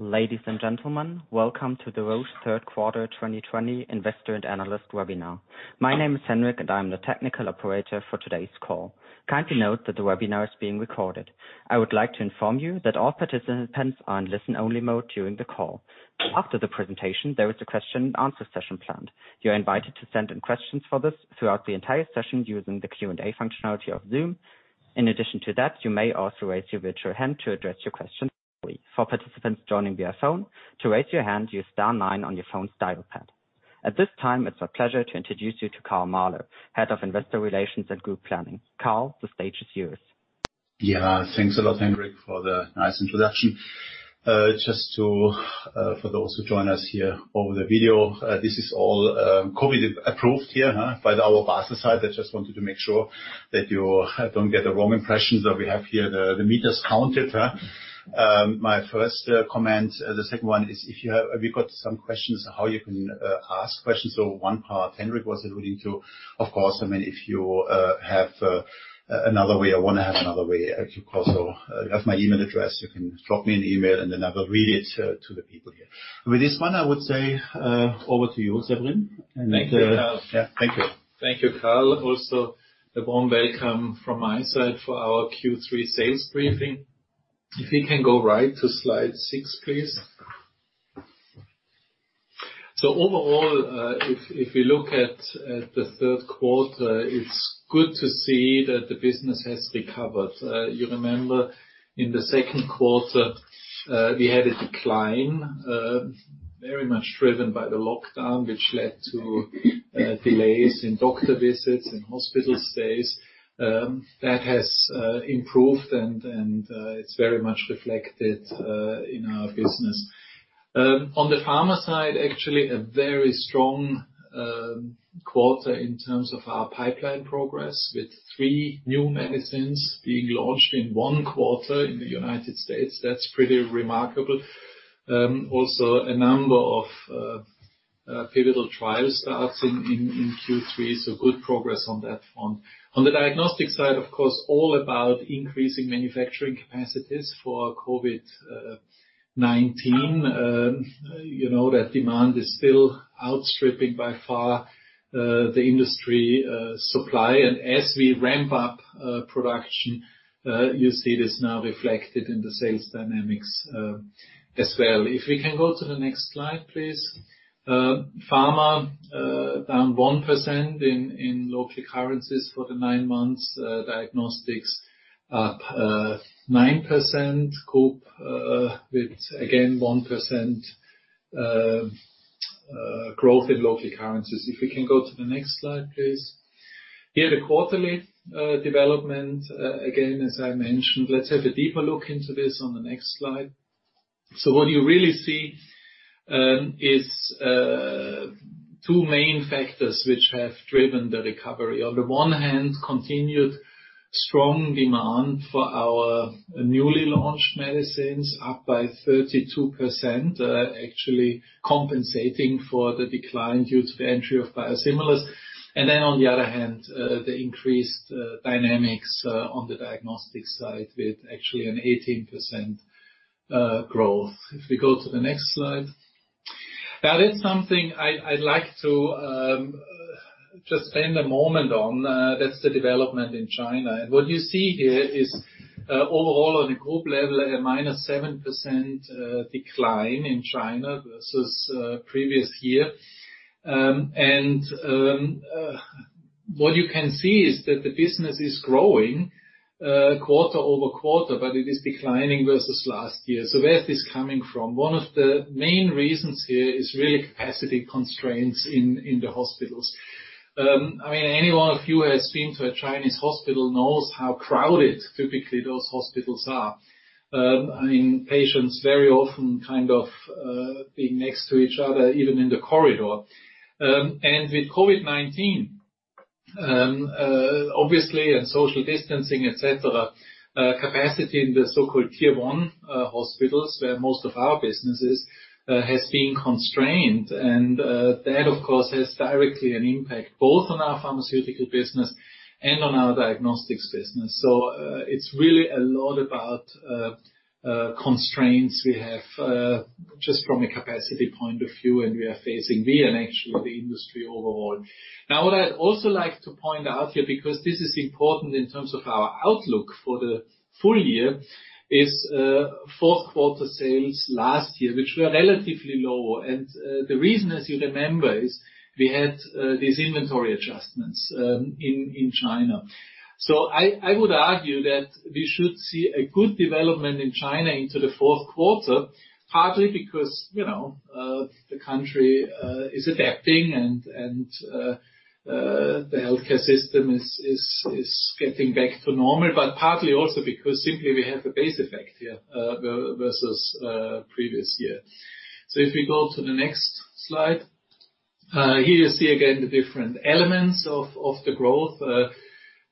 Ladies and gentlemen, welcome to the Roche third quarter 2020 Investor and Analyst webinar. My name is Henrik, and I'm the technical operator for today's call. Kindly note that the webinar is being recorded. I would like to inform you that all participants are in listen-only mode during the call. After the presentation, there is a question and answer session planned. You're invited to send in questions for this throughout the entire session using the Q&A functionality of Zoom. In addition to that, you may also raise your virtual hand to address your question verbally. For participants joining via phone, to raise your hand, use star 9 on your phone's dial pad. At this time, it's my pleasure to introduce you to Karl Mahler, Head of Investor Relations and Group Planning. Karl, the stage is yours. Thanks a lot, Henrik, for the nice introduction. For those who join us here over the video, this is all COVID approved here by our Basel side. I just wanted to make sure that you don't get the wrong impression that we have here the meters counted. My first comment. The second one is if you have got some questions, how you can ask questions. One part Henrik was alluding to, of course, if you have another way or want to have another way, you have my email address. You can drop me an email and then I'll read it to the people here. With this one, I would say, over to you, Severin. Thank you, Karl. Yeah. Thank you. Thank you, Karl. Also, a warm welcome from my side for our Q3 sales briefing. If we can go right to slide six, please. Overall, if we look at the third quarter, it's good to see that the business has recovered. You remember in the second quarter, we had a decline, very much driven by the lockdown, which led to delays in doctor visits and hospital stays. That has improved and it's very much reflected in our business. On the pharma side, actually, a very strong quarter in terms of our pipeline progress, with three new medicines being launched in one quarter in the United States. That's pretty remarkable. Also, a number of pivotal trial starts in Q3, so good progress on that front. On the diagnostic side, of course, all about increasing manufacturing capacities for COVID-19. You know that demand is still outstripping by far the industry supply. As we ramp up production, you see it is now reflected in the sales dynamics as well. If we can go to the next slide, please. Pharma down 1% in local currencies for the nine months. Diagnostics up 9%. Cope with, again, 1% growth in local currencies. If we can go to the next slide, please. Here the quarterly development, again, as I mentioned. Let's have a deeper look into this on the next slide. What you really see is two main factors which have driven the recovery. On the one hand, continued strong demand for our newly launched medicines, up by 32%, actually compensating for the decline due to the entry of biosimilars. On the other hand, the increased dynamics on the diagnostic side with actually an 18% growth. If we go to the next slide. Now, there's something I'd like to just spend a moment on. That's the development in China. What you see here is overall on a group level, a -7% decline in China versus previous year. What you can see is that the business is growing QoT, but it is declining versus last year. Where is this coming from? One of the main reasons here is really capacity constraints in the hospitals. Anyone of you who has been to a Chinese hospital knows how crowded typically those hospitals are. Patients very often being next to each other, even in the corridor. With COVID-19, obviously, and social distancing, et cetera, capacity in the so-called tier 1 hospitals, where most of our business is, has been constrained. That, of course, has directly an impact, both on our pharmaceutical business and on our Diagnostics business. It's really a lot about constraints we have just from a capacity point of view, and we are facing, we and actually the industry overall. What I'd also like to point out here, because this is important in terms of our outlook for the full year, is fourth quarter sales last year, which were relatively low. The reason, as you remember, is we had these inventory adjustments in China. I would argue that we should see a good development in China into the fourth quarter, partly because the country is adapting and the healthcare system is getting back to normal, but partly also because simply we have a base effect here versus previous year. If we go to the next slide. Here you see again the different elements of the growth.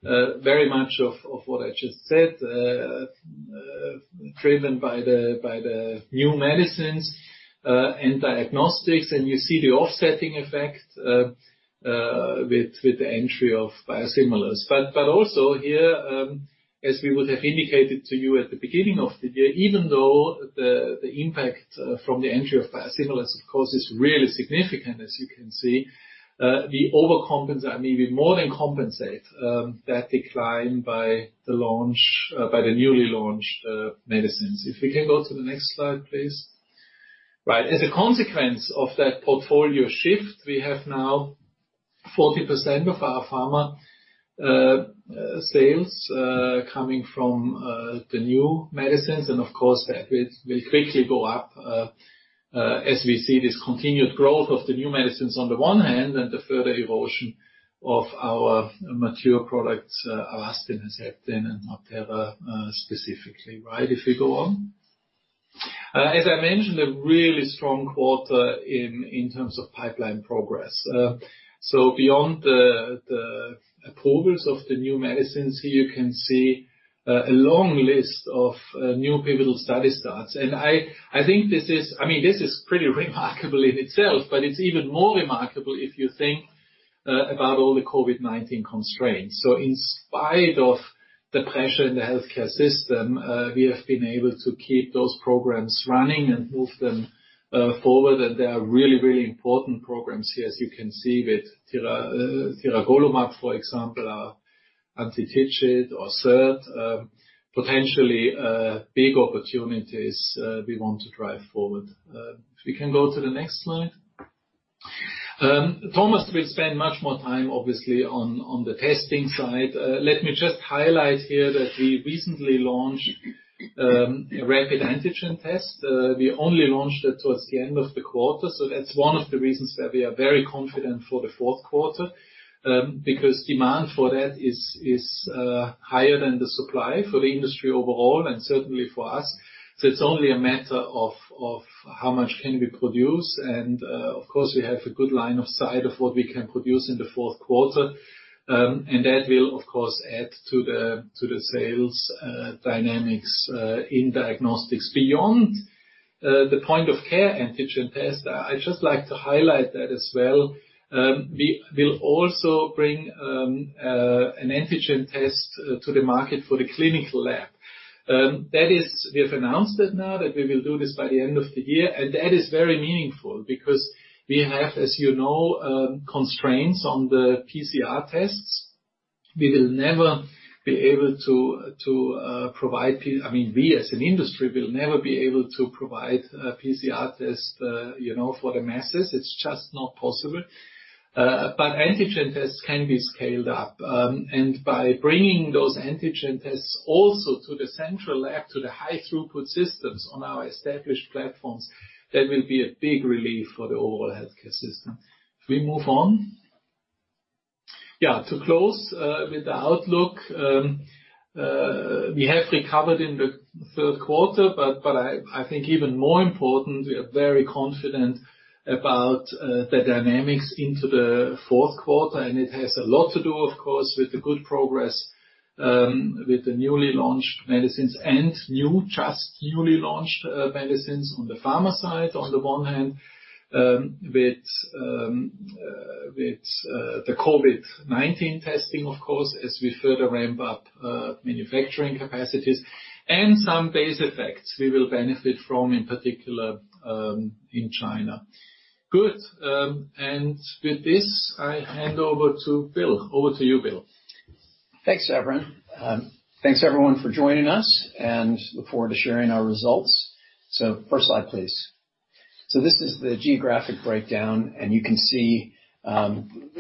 Very much of what I just said, driven by the new medicines and diagnostics. You see the offsetting effect with the entry of biosimilars. Also here, as we would have indicated to you at the beginning of the year, even though the impact from the entry of biosimilars, of course, is really significant, as you can see, we overcompensate, I mean, we more than compensate that decline by the newly launched medicines. If we can go to the next slide, please. Right. As a consequence of that portfolio shift, we have now 40% of our pharma sales coming from the new medicines. Of course, that will quickly go up as we see this continued growth of the new medicines on the one hand, and the further erosion of our mature products, Avastin, Herceptin, and MabThera specifically. If we go on. As I mentioned, a really strong quarter in terms of pipeline progress. Beyond the approvals of the new medicines, here you can see a long list of new pivotal study starts. I think this is pretty remarkable in itself, but it's even more remarkable if you think about all the COVID-19 constraints. In spite of the pressure in the healthcare system, we have been able to keep those programs running and move them forward. They are really important programs here, as you can see with tiragolumab, for example, our anti-TIGIT or SERD, potentially big opportunities we want to drive forward. If we can go to the next slide. Thomas will spend much more time, obviously, on the testing side. Let me just highlight here that we recently launched a rapid antigen test. We only launched it towards the end of the quarter. That's one of the reasons that we are very confident for the fourth quarter, because demand for that is higher than the supply for the industry overall, and certainly for us. It's only a matter of how much can we produce. Of course, we have a good line of sight of what we can produce in the fourth quarter. That will, of course, add to the sales dynamics in diagnostics. Beyond the point-of-care antigen test, I'd just like to highlight that as well, we will also bring an antigen test to the market for the clinical lab. We have announced it now that we will do this by the end of the year. That is very meaningful because we have, as you know, constraints on the PCR tests. We as an industry, will never be able to provide PCR tests for the masses. It's just not possible. Antigen tests can be scaled up. By bringing those antigen tests also to the central lab, to the high throughput systems on our established platforms, that will be a big relief for the overall healthcare system. If we move on. To close with the outlook. We have recovered in the third quarter, but I think even more important, we are very confident about the dynamics into the fourth quarter. It has a lot to do, of course, with the good progress with the newly launched medicines and new, just newly launched medicines on the pharma side. On the one hand, with the COVID-19 testing, of course, as we further ramp up manufacturing capacities and some base effects we will benefit from, in particular, in China. Good. With this, I hand over to Bill. Over to you, Bill. Thanks, Severin. Thanks, everyone, for joining us. Look forward to sharing our results. First slide, please. This is the geographic breakdown. You can see,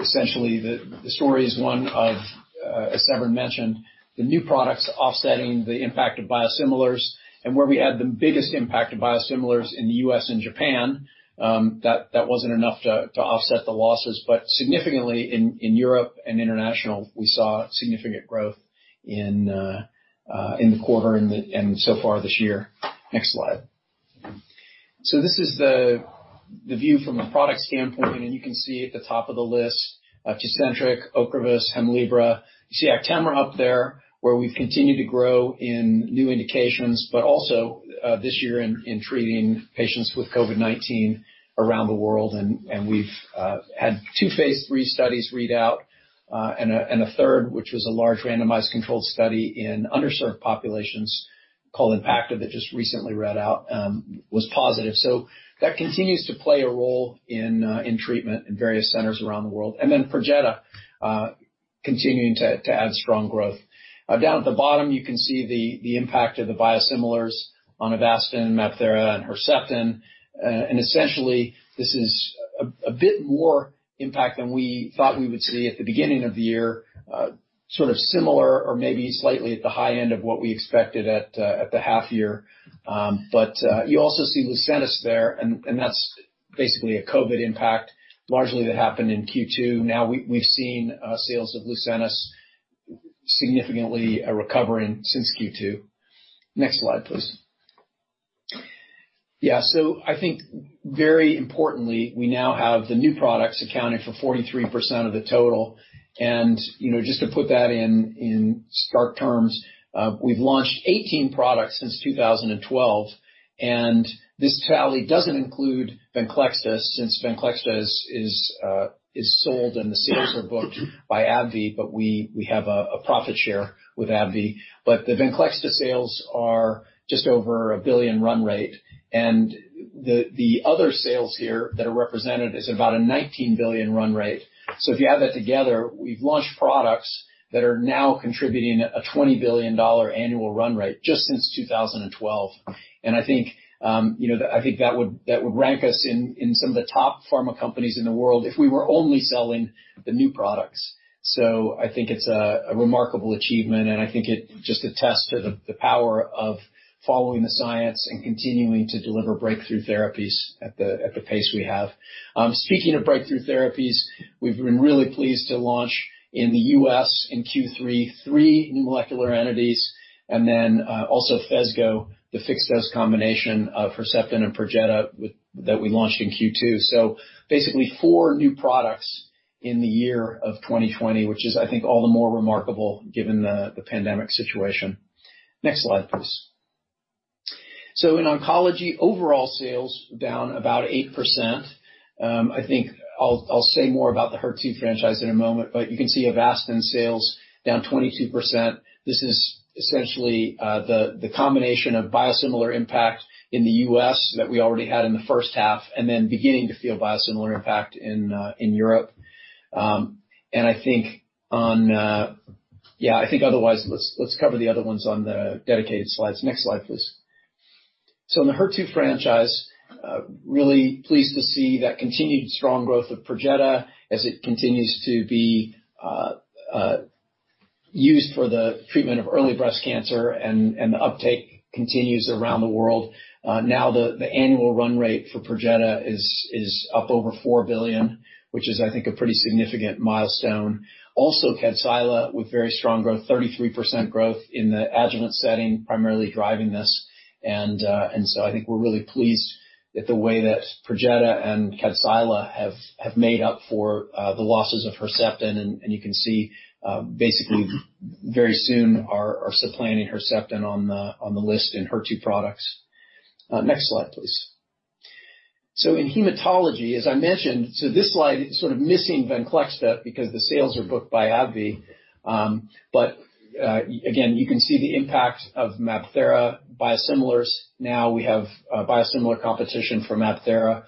essentially, the story is one of, as Severin mentioned, the new products offsetting the impact of biosimilars. Where we had the biggest impact of biosimilars in the U.S. and Japan, that wasn't enough to offset the losses. Significantly in Europe and international, we saw significant growth in the quarter and so far this year. Next slide. This is the view from a product standpoint. You can see at the top of the list, TECENTRIQ, OCREVUS, HEMLIBRA. You see Actemra up there, where we've continued to grow in new indications, but also this year in treating patients with COVID-19 around the world. We've had 2 phase III studies read out, and a third, which was a large randomized controlled study in underserved populations called EMPACTA that just recently read out, was positive. That continues to play a role in treatment in various centers around the world. Perjeta continuing to add strong growth. Down at the bottom, you can see the impact of the biosimilars on Avastin, MabThera, and Herceptin. Essentially, this is a bit more impact than we thought we would see at the beginning of the year, sort of similar or maybe slightly at the high end of what we expected at the half year. You also see Lucentis there, and that's basically a COVID impact largely that happened in Q2. We've seen sales of Lucentis significantly recovering since Q2. Next slide, please. Yeah. I think very importantly, we now have the new products accounting for 43% of the total. Just to put that in stark terms, we've launched 18 products since 2012, and this tally doesn't include Venclexta, since Venclexta is sold, and the sales are booked by AbbVie, but we have a profit share with AbbVie. The Venclexta sales are just over a 1 billion run rate, and the other sales here that are represented is about a 19 billion run rate. If you add that together, we've launched products that are now contributing a CHF 20 billion annual run rate just since 2012. I think that would rank us in some of the top pharma companies in the world if we were only selling the new products. I think it's a remarkable achievement, and I think it's just a test of the power of following the science and continuing to deliver breakthrough therapies at the pace we have. Speaking of breakthrough therapies, we've been really pleased to launch in the U.S. in Q3, three new molecular entities, and then also PHESGO, the fixed-dose combination of Herceptin and Perjeta that we launched in Q2. Basically four new products in the year of 2020, which is, I think, all the more remarkable given the pandemic situation. Next slide, please. In oncology, overall sales down about 8%. I think I'll say more about the HER2 franchise in a moment, but you can see Avastin sales down 22%. This is essentially the combination of biosimilar impact in the U.S. that we already had in the first half, and then beginning to feel biosimilar impact in Europe. I think otherwise, let's cover the other ones on the dedicated slides. Next slide, please. In the HER2 franchise, really pleased to see that continued strong growth of Perjeta as it continues to be used for the treatment of early breast cancer, and the uptake continues around the world. Now the annual run rate for Perjeta is up over 4 billion, which is, I think, a pretty significant milestone. Also Kadcyla with very strong growth, 33% growth in the adjuvant setting, primarily driving this. I think we're really pleased at the way that Perjeta and Kadcyla have made up for the losses of Herceptin. You can see basically very soon are supplanting Herceptin on the list in HER2 products. Next slide, please. In hematology, as I mentioned, this slide is sort of missing Venclexta because the sales are booked by AbbVie. Again, you can see the impact of MabThera biosimilars. We have biosimilar competition for MabThera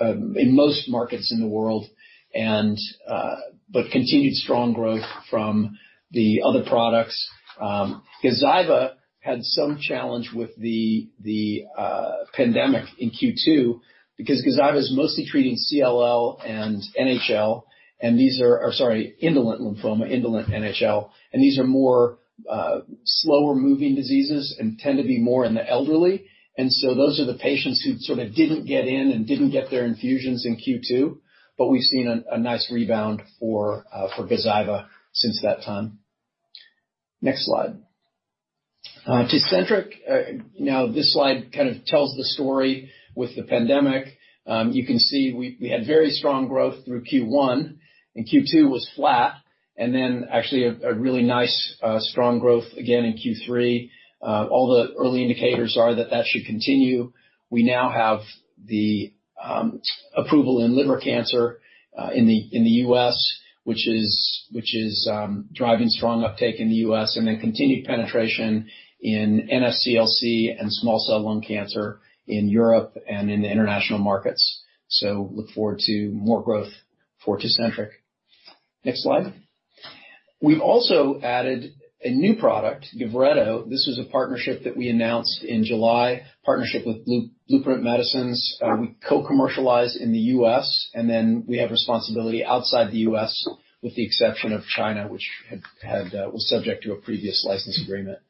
in most markets in the world, but continued strong growth from the other products. Gazyva had some challenge with the pandemic in Q2 because Gazyva's mostly treating CLL and NHL, and these are indolent lymphoma, indolent NHL, and more slower-moving diseases and tend to be more in the elderly. Those are the patients who sort of didn't get in and didn't get their infusions in Q2. We've seen a nice rebound for Gazyva since that time. Next slide. TECENTRIQ, this slide kind of tells the story with the pandemic. You can see we had very strong growth through Q1, Q2 was flat, then actually a really nice strong growth again in Q3. All the early indicators are that that should continue. We now have the approval in liver cancer in the U.S., which is driving strong uptake in the U.S., and then continued penetration in NSCLC and small cell lung cancer in Europe and in the international markets. Look forward to more growth for TECENTRIQ. Next slide. We've also added a new product, Gavreto. This was a partnership that we announced in July, partnership with Blueprint Medicines. We co-commercialize in the U.S., and then we have responsibility outside the U.S. with the exception of China, which was subject to a previous license agreement.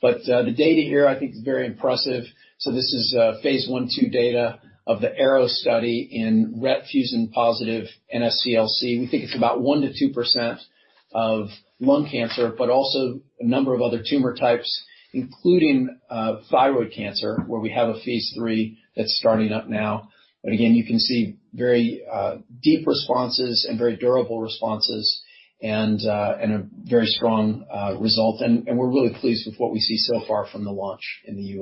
The data here I think is very impressive. This is phase I/II data of the ARROW study in RET fusion-positive NSCLC. We think it's about 1%-2% of lung cancer, but also a number of other tumor types, including thyroid cancer, where we have a phase III that's starting up now. Again, you can see very deep responses and very durable responses and a very strong result. We're really pleased with what we see so far from the launch in the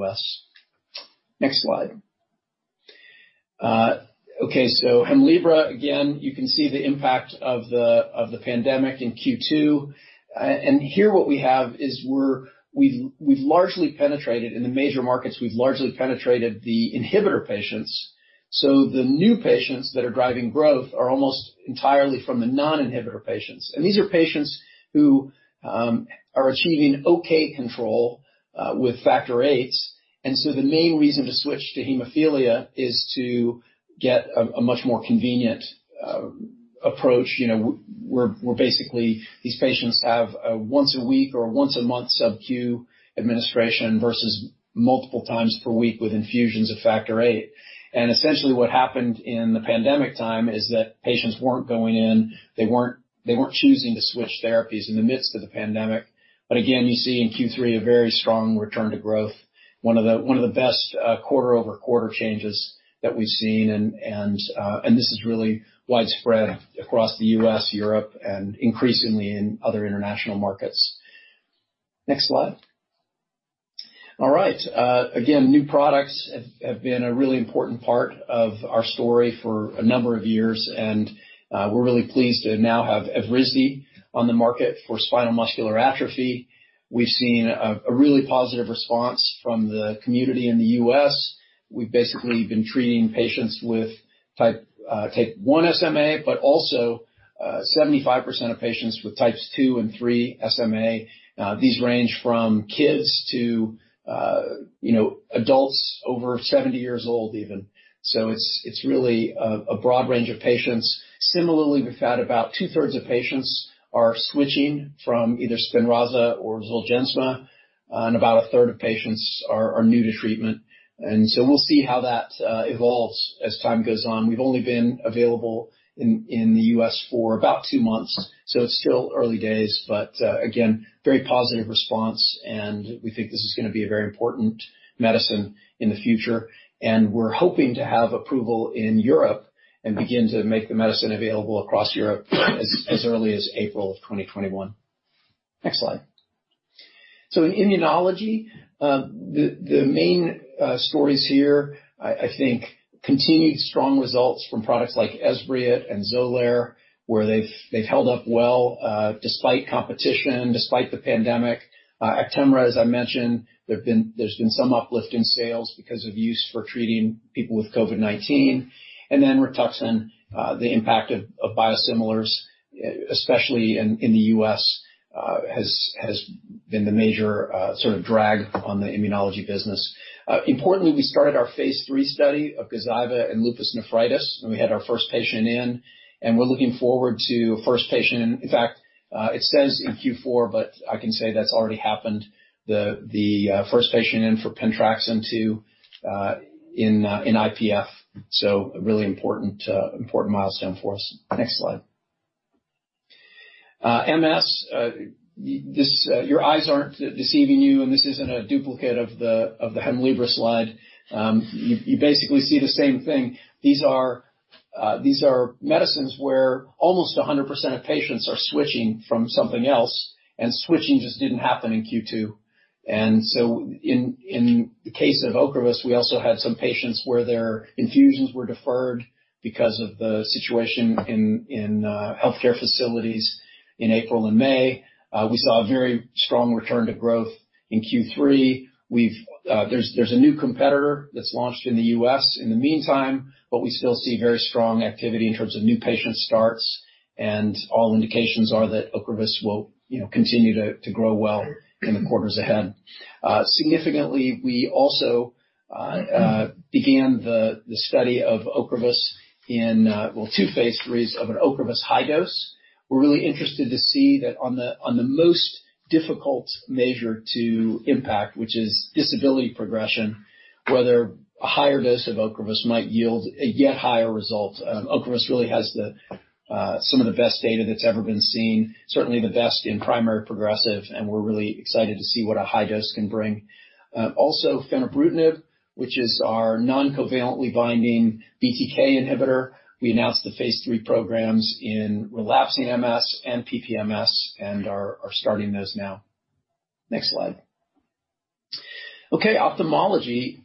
U.S. Next slide. Okay. HEMLIBRA, again, you can see the impact of the pandemic in Q2. Here what we have is we've largely penetrated in the major markets, we've largely penetrated the inhibitor patients. The new patients that are driving growth are almost entirely from the non-inhibitor patients. These are patients who are achieving okay control with factor VIII. The main reason to switch to hemophilia is to get a much more convenient approach, you know, where basically these patients have a once-a-week or once-a-month sub-Q administration versus multiple times per week with infusions of factor VIII. Essentially what happened in the pandemic time is that patients weren't going in, they weren't choosing to switch therapies in the midst of the pandemic. Again, you see in Q3 a very strong return to growth, one of the best quarter-over-quarter changes that we've seen, and this is really widespread across the U.S., Europe, and increasingly in other international markets. Next slide. All right. Again, new products have been a really important part of our story for a number of years. We're really pleased to now have Evrysdi on the market for spinal muscular atrophy. We've seen a really positive response from the community in the U.S. We've basically been treating patients with type I SMA, but also 75% of patients with types II and III SMA. These range from kids to adults over 70 years old, even. It's really a broad range of patients. Similarly, we've had about 2/3 of patients are switching from either SPINRAZA or ZOLGENSMA, about a third of patients are new to treatment. We'll see how that evolves as time goes on. We've only been available in the U.S. for about two months, it's still early days. Again, very positive response, we think this is going to be a very important medicine in the future, we're hoping to have approval in Europe and begin to make the medicine available across Europe as early as April of 2021. Next slide. In immunology, the main stories here, I think, continued strong results from products like Esbriet and XOLAIR, where they've held up well despite competition, despite the pandemic. Actemra, as I mentioned, there's been some uplift in sales because of use for treating people with COVID-19. Rituxan, the impact of biosimilars, especially in the U.S., has been the major sort of drag on the immunology business. Importantly, we started our phase III study of Gazyva in lupus nephritis, and we had our first patient in, and we're looking forward to first patient in fact, it says in Q4, but I can say that's already happened. The first patient in for pentraxin-2 in IPF. A really important milestone for us. Next slide. MS, your eyes aren't deceiving you. This isn't a duplicate of the HEMLIBRA slide. You basically see the same thing. These are medicines where almost 100% of patients are switching from something else. Switching just didn't happen in Q2. In the case of OCREVUS, we also had some patients where their infusions were deferred because of the situation in healthcare facilities in April and May. We saw a very strong return to growth in Q3. There's a new competitor that's launched in the U.S. in the meantime, but we still see very strong activity in terms of new patient starts, and all indications are that OCREVUS will continue to grow well in the quarters ahead. Significantly, we also began the study of OCREVUS in two phase III of an OCREVUS high dose. We're really interested to see that on the most difficult measure to impact, which is disability progression, whether a higher dose of OCREVUS might yield a yet higher result. OCREVUS really has some of the best data that's ever been seen, certainly the best in primary progressive, and we're really excited to see what a high dose can bring. Also, fenebrutinib, which is our non-covalently binding BTK inhibitor. We announced the phase III programs in relapsing MS and PPMS and are starting those now. Next slide. Okay, ophthalmology,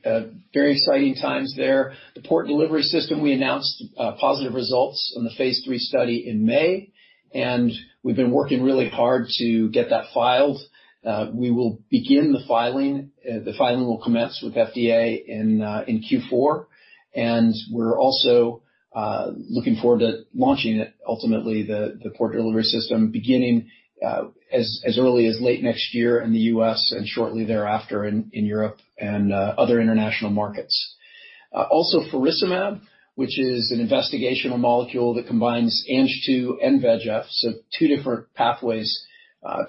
very exciting times there. The Port Delivery System, we announced positive results on the phase III study in May, and we've been working really hard to get that filed. We will begin the filing, the filing will commence with FDA in Q4, and we're also looking forward to launching, ultimately, the Port Delivery System, beginning as early as late next year in the U.S. and shortly thereafter in Europe and other international markets. Also faricimab, which is an investigational molecule that combines Ang-2 and VEGF, so two different pathways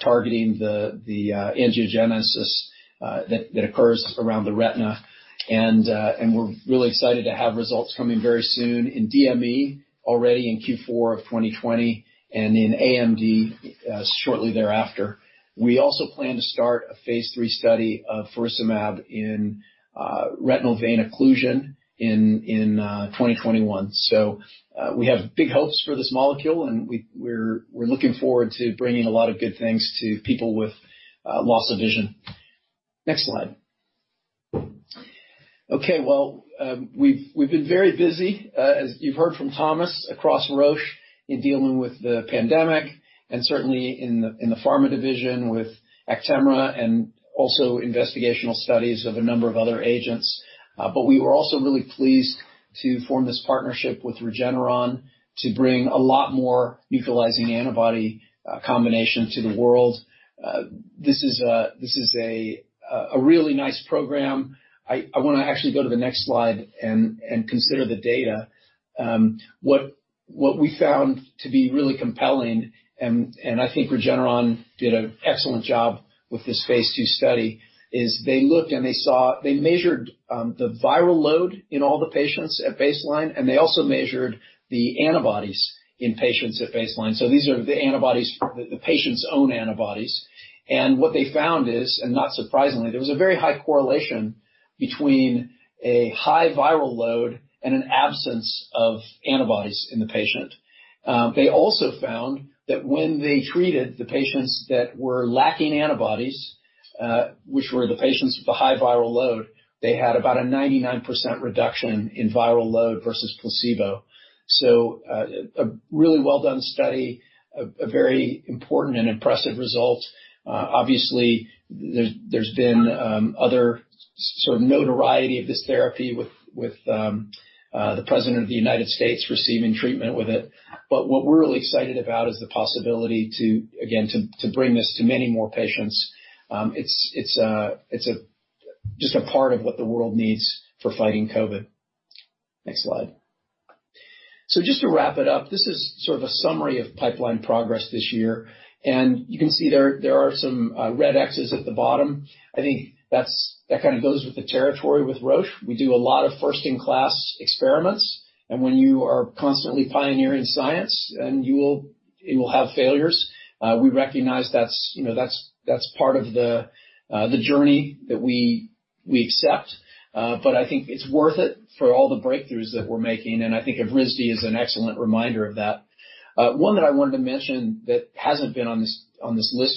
targeting the angiogenesis that occurs around the retina, and we're really excited to have results coming very soon in DME, already in Q4 of 2020, and in AMD shortly thereafter. We also plan to start a phase III study of faricimab in retinal vein occlusion in 2021. We have big hopes for this molecule, and we're looking forward to bringing a lot of good things to people with loss of vision. Next slide. Okay. Well, we've been very busy, as you've heard from Thomas, across Roche in dealing with the pandemic and certainly in the pharma division with Actemra and also investigational studies of a number of other agents. We were also really pleased to form this partnership with Regeneron to bring a lot more neutralizing antibody combination to the world. This is a really nice program. I want to actually go to the next slide and consider the data. What we found to be really compelling, I think Regeneron did an excellent job with this phase II study, is they looked and they measured the viral load in all the patients at baseline, and they also measured the antibodies in patients at baseline. These are the patient's own antibodies. What they found is, and not surprisingly, there was a very high correlation between a high viral load and an absence of antibodies in the patient. They also found that when they treated the patients that were lacking antibodies, which were the patients with the high viral load, they had about a 99% reduction in viral load versus placebo. A really well-done study, a very important and impressive result. Obviously, there's been other sort of notoriety of this therapy with the President of the United States receiving treatment with it. What we're really excited about is the possibility to, again, to bring this to many more patients. It's just a part of what the world needs for fighting COVID. Next slide. Just to wrap it up, this is sort of a summary of pipeline progress this year. You can see there are some red X's at the bottom. I think that kind of goes with the territory with Roche. We do a lot of first-in-class experiments, and when you are constantly pioneering science, you will have failures. We recognize that's part of the journey that we accept. I think it's worth it for all the breakthroughs that we're making, and I think Evrysdi is an excellent reminder of that. One that I wanted to mention that hasn't been on this list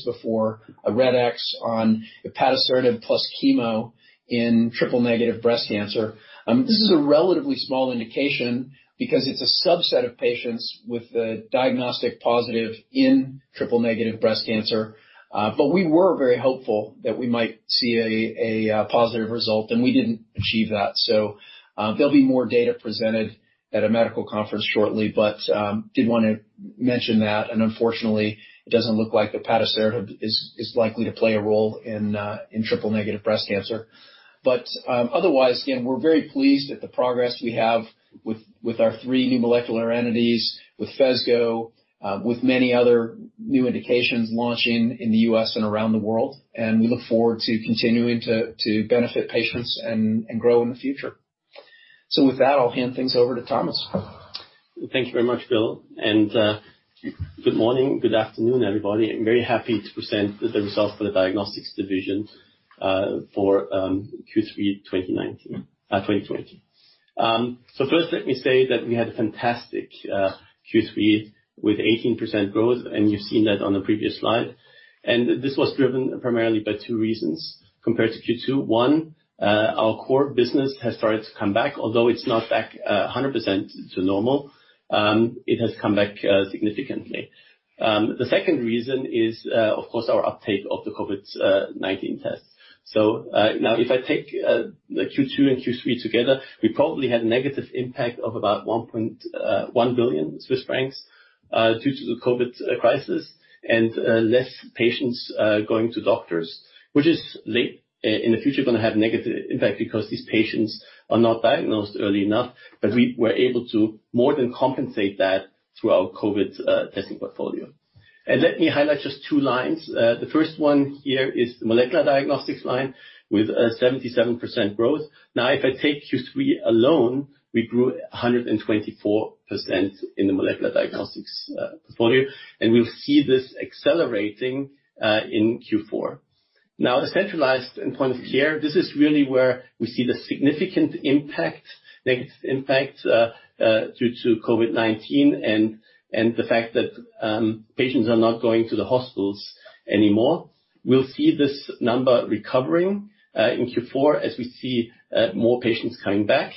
before, a red X on ipatasertib plus chemo in triple-negative breast cancer. This is a relatively small indication because it's a subset of patients with a diagnostic positive in triple-negative breast cancer. We were very hopeful that we might see a positive result, and we didn't achieve that. There'll be more data presented at a medical conference shortly, but did want to mention that, and unfortunately, it doesn't look like ipatasertib is likely to play a role in triple-negative breast cancer. Otherwise, again, we're very pleased at the progress we have with our three new molecular entities, with PHESGO, with many other new indications launching in the U.S. and around the world, and we look forward to continuing to benefit patients and grow in the future. With that, I'll hand things over to Thomas. Thank you very much, Bill. Good morning, good afternoon, everybody. I'm very happy to present the results for the diagnostics division for Q3 2020. First let me say that we had a fantastic Q3 with 18% growth, and you've seen that on the previous slide. This was driven primarily by two reasons compared to Q2. One, our core business has started to come back. Although it's not back 100% to normal, it has come back significantly. The second reason is, of course, our uptake of the COVID-19 test. Now if I take the Q2 and Q3 together, we probably had a negative impact of about 1.1 billion Swiss francs due to the COVID crisis and less patients going to doctors, which is later in the future going to have negative impact because these patients are not diagnosed early enough. We were able to more than compensate that through our COVID testing portfolio. Let me highlight just two lines. The first one here is the molecular diagnostics line with a 77% growth. If I take Q3 alone, we grew 124% in the molecular diagnostics portfolio, and we'll see this accelerating in Q4. The centralized and point of care, this is really where we see the significant negative impact due to COVID-19 and the fact that patients are not going to the hospitals anymore. We'll see this number recovering in Q4 as we see more patients coming back.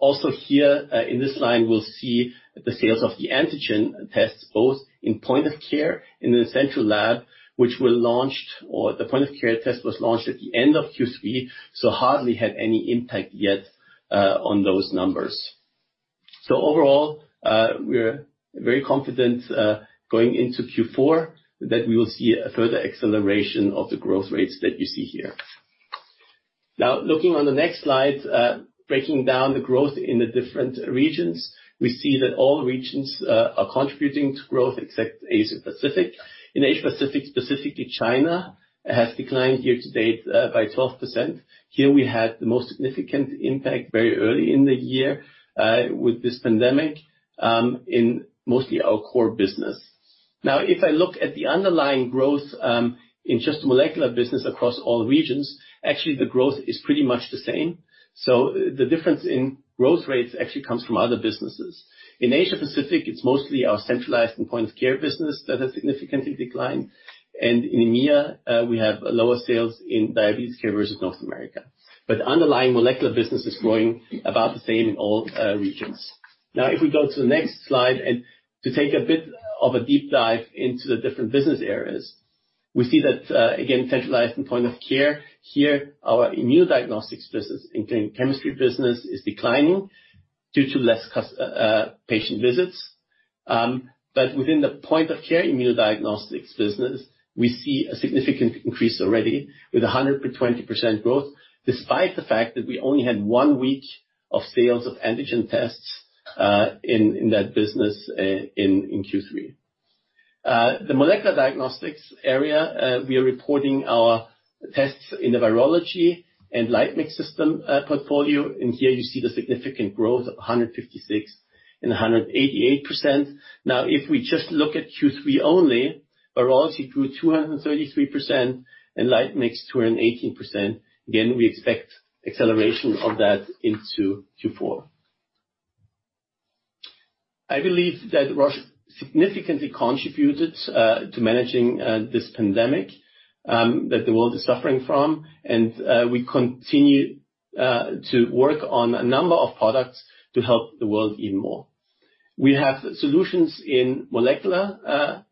Also here, in this line, we'll see the sales of the antigen tests, both in point of care in the central lab, which were launched, or the point of care test was launched at the end of Q3, so hardly had any impact yet on those numbers. Overall, we're very confident going into Q4 that we will see a further acceleration of the growth rates that you see here. Looking on the next slide, breaking down the growth in the different regions, we see that all regions are contributing to growth except Asia-Pacific. In Asia-Pacific, specifically China, has declined year to date by 12%. Here we had the most significant impact very early in the year with this pandemic in mostly our core business. If I look at the underlying growth in just the molecular business across all regions, actually the growth is pretty much the same. The difference in growth rates actually comes from other businesses. In Asia-Pacific, it's mostly our centralized and point-of-care business that has significantly declined. In EMEA, we have lower sales in diabetes care versus North America. Underlying molecular business is growing about the same in all regions. If we go to the next slide and to take a bit of a deep dive into the different business areas, we see that, again, centralized and point of care here, our immunodiagnostics business and chemistry business is declining due to less patient visits. Within the point of care immunodiagnostics business, we see a significant increase already with 120% growth, despite the fact that we only had one week of sales of antigen tests in that business in Q3. The molecular diagnostics area, we are reporting our tests in the virology and LightMix system portfolio, and here you see the significant growth of 156% and 188%. If we just look at Q3 only, virology grew 233% and LightMix 218%. We expect acceleration of that into Q4. I believe that Roche significantly contributed to managing this pandemic that the world is suffering from, and we continue to work on a number of products to help the world even more. We have solutions in molecular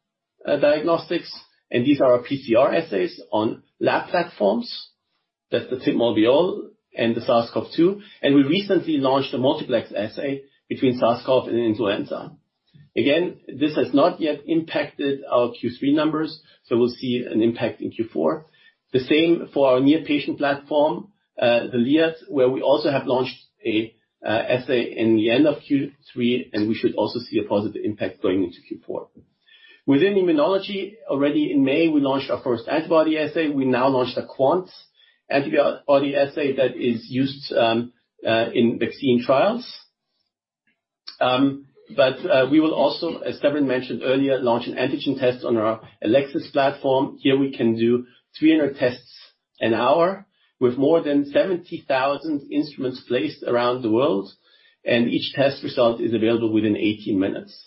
diagnostics, and these are our PCR assays on lab platforms. That's the Fit Mobil and the SARS-CoV-2, and we recently launched a multiplex assay between SARS-CoV and influenza. Again, this has not yet impacted our Q3 numbers, so we'll see an impact in Q4. The same for our near patient platform, the LIAT, where we also have launched an assay in the end of Q3, and we should also see a positive impact going into Q4. Within immunology, already in May, we launched our first antibody assay. We now launched a quant antibody assay that is used in vaccine trials. We will also, as Severin mentioned earlier, launch an antigen test on our Elecsys platform. Here we can do 300 tests an hour with more than 70,000 instruments placed around the world, and each test result is available within 18 minutes.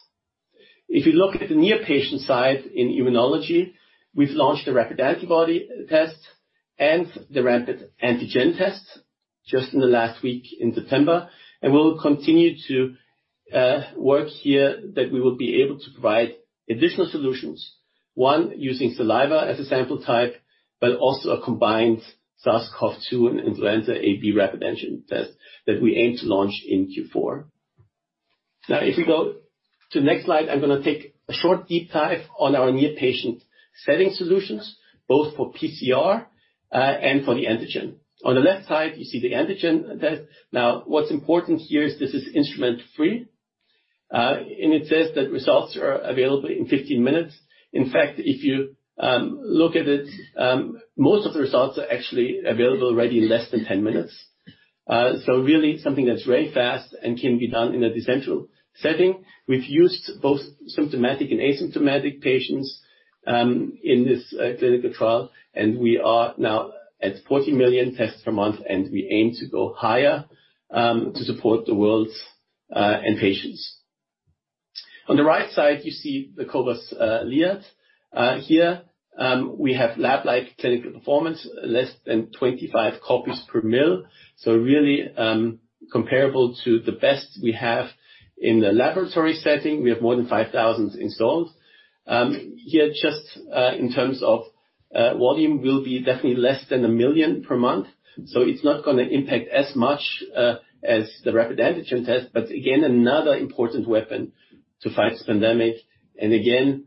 If you look at the near patient side in immunology, we've launched the rapid antibody test and the rapid antigen test just in the last week in September, and we will continue to work here that we will be able to provide additional solutions, one, using saliva as a sample type, but also a combined SARS-CoV-2 and influenza A/B rapid antigen test that we aim to launch in Q4. If we go to the next slide, I'm going to take a short deep dive on our near patient setting solutions, both for PCR, and for the antigen. On the left side, you see the antigen test. What's important here is this is instrument-free, and it says that results are available in 15 minutes. In fact, if you look at it, most of the results are actually available already in less than 10 minutes. Really, something that's very fast and can be done in a decentral setting. We've used both symptomatic and asymptomatic patients, in this clinical trial, and we are now at 40 million tests per month, and we aim to go higher to support the world and patients. On the right side, you see the cobas liat. Here, we have lab-like clinical performance, less than 25 copies per mL. Really, comparable to the best we have in the laboratory setting. We have more than 5,000 installed. Here, just in terms of volume will be definitely less than 1 million per month. It's not going to impact as much as the rapid antigen test. Again, another important weapon to fight this pandemic. Again,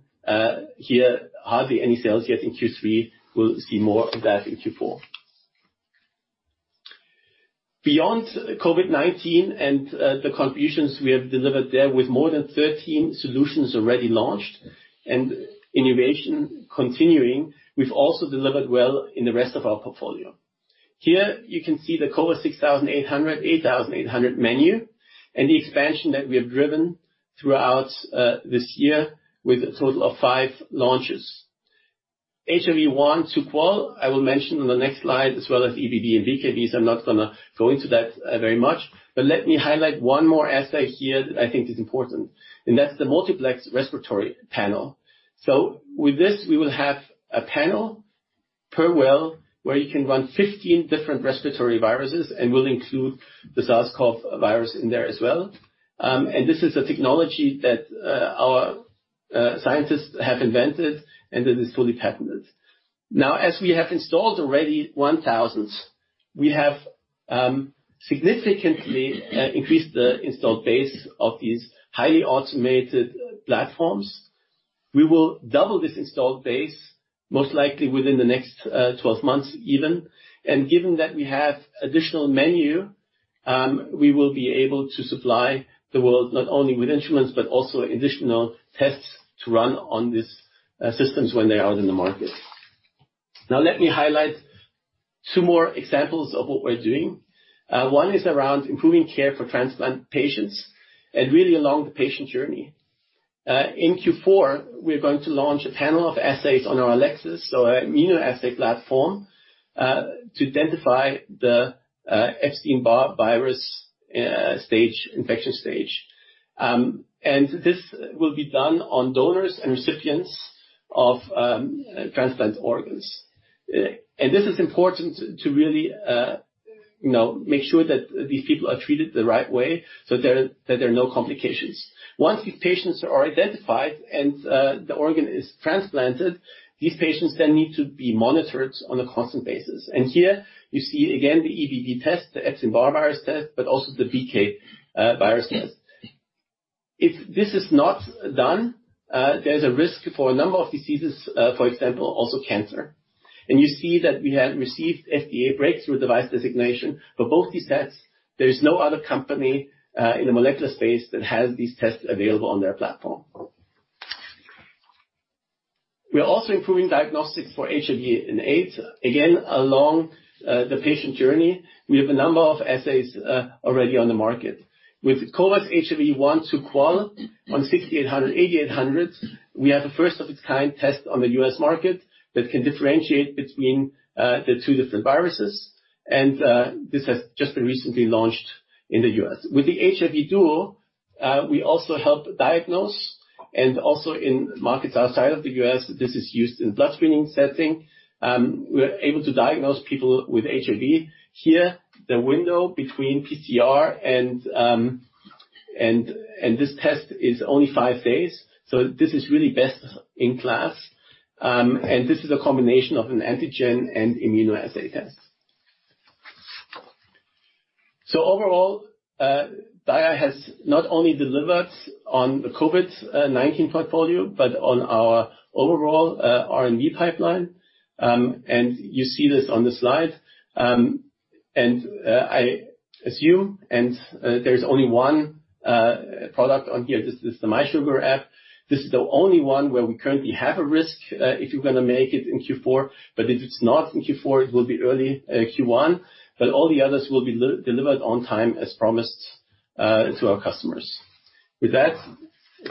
here, hardly any sales yet in Q3. We'll see more of that in Q4. Beyond COVID-19 and the contributions we have delivered there with more than 13 solutions already launched and innovation continuing, we've also delivered well in the rest of our portfolio. Here you can see the cobas 6800, 8800 menu and the expansion that we have driven throughout this year with a total of five launches. HIV-1 Qual, I will mention on the next slide, as well as EBV and BKV, so I'm not going to go into that very much. Let me highlight one more assay here that I think is important, and that's the multiplex respiratory panel. With this, we will have a panel per well where you can run 15 different respiratory viruses and will include the SARS-CoV-2 in there as well. This is a technology that our scientists have invented and that is fully patented. As we have installed already 1,000, we have significantly increased the installed base of these highly automated platforms. We will double this installed base most likely within the next 12 months even. Given that we have additional menu, we will be able to supply the world not only with instruments, but also additional tests to run on these systems when they are out in the market. Let me highlight two more examples of what we're doing. One is around improving care for transplant patients and really along the patient journey. In Q4, we're going to launch a panel of assays on our Elecsys, so our immunoassay platform, to identify the Epstein-Barr virus infection stage. This will be done on donors and recipients of transplant organs. This is important to really make sure that these people are treated the right way so that there are no complications. Once these patients are identified and the organ is transplanted, these patients then need to be monitored on a constant basis. Here you see again the EBV test, the Epstein-Barr virus test, but also the BK virus test. If this is not done, there's a risk for a number of diseases, for example, also cancer. You see that we have received FDA Breakthrough Device Designation for both these tests. There is no other company in the molecular space that has these tests available on their platform. We are also improving diagnostics for HIV and AIDS. Along the patient journey, we have a number of assays already on the market. With cobas HIV-1/2 Qual on cobas 6800/8800, we have a first of its kind test on the U.S. market that can differentiate between the two different viruses. This has just been recently launched in the U.S. With the Elecsys HIV Duo, we also help diagnose, and also in markets outside of the U.S., this is used in blood screening setting. We're able to diagnose people with HIV. Here, the window between PCR and this test is only five days. This is really best in class. This is a combination of an antigen and immunoassay test. Overall, Dia has not only delivered on the COVID-19 portfolio, but on our overall R&D pipeline. You see this on the slide. I assume, and there's only one product on here. This is the mySugr app. This is the only one where we currently have a risk if we're going to make it in Q4. If it's not in Q4, it will be early Q1. All the others will be delivered on time as promised to our customers. With that,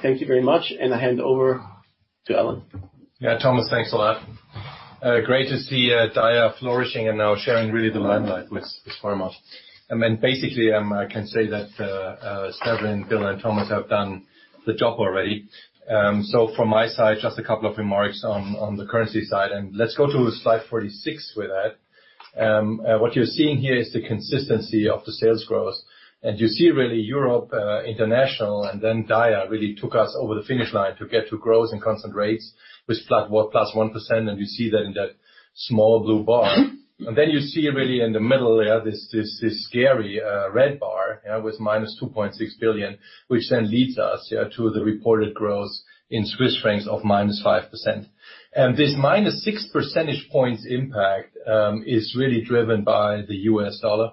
thank you very much, and I hand over to Alan. Thomas, thanks a lot. Great to see Dia flourishing and now sharing really the limelight with Roche. Basically, I can say that Severin, Bill, and Thomas have done the job already. From my side, just a couple of remarks on the currency side, and let's go to slide 46 with that. What you're seeing here is the consistency of the sales growth. You see really Europe, international, and then Dia really took us over the finish line to get to growth in constant rates with +1%, and you see that in that small blue bar. You see really in the middle there, this scary red bar with -2.6 billion, which then leads us to the reported growth in Swiss francs of -5%. This -6 percentage points impact is really driven by the US dollar,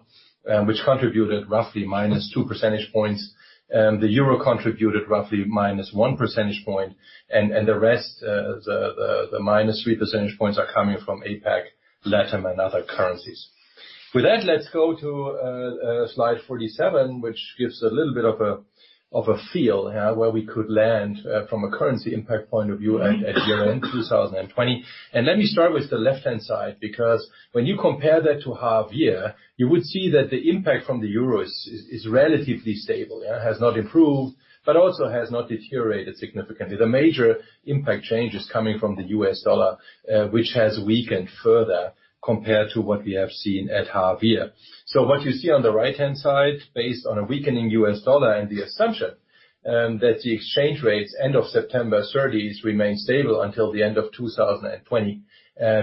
which contributed roughly -2 percentage points. The euro contributed roughly -1 percentage point, the rest, the -3 percentage points, are coming from APAC, LATAM, and other currencies. With that, let's go to slide 47, which gives a little bit of a feel where we could land from a currency impact point of view at year-end 2020. Let me start with the left-hand side, because when you compare that to half year, you would see that the impact from the euro is relatively stable. Has not improved, also has not deteriorated significantly. The major impact change is coming from the US dollar, which has weakened further compared to what we have seen at half year. What you see on the right-hand side, based on a weakening US dollar and the assumption that the exchange rates end of September 30th remain stable until the end of 2020,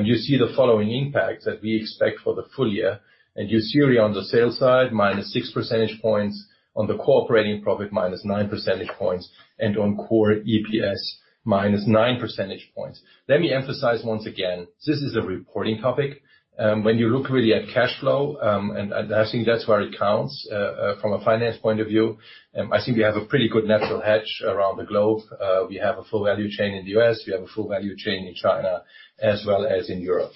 you see the following impacts that we expect for the full year. You see really on the sales side, -6 percentage points, on the operating profit, -9 percentage points, and on core EPS, -9 percentage points. Let me emphasize once again, this is a reporting topic. When you look really at cash flow, and I think that's where it counts from a finance point of view, I think we have a pretty good natural hedge around the globe. We have a full value chain in the U.S., we have a full value chain in China as well as in Europe.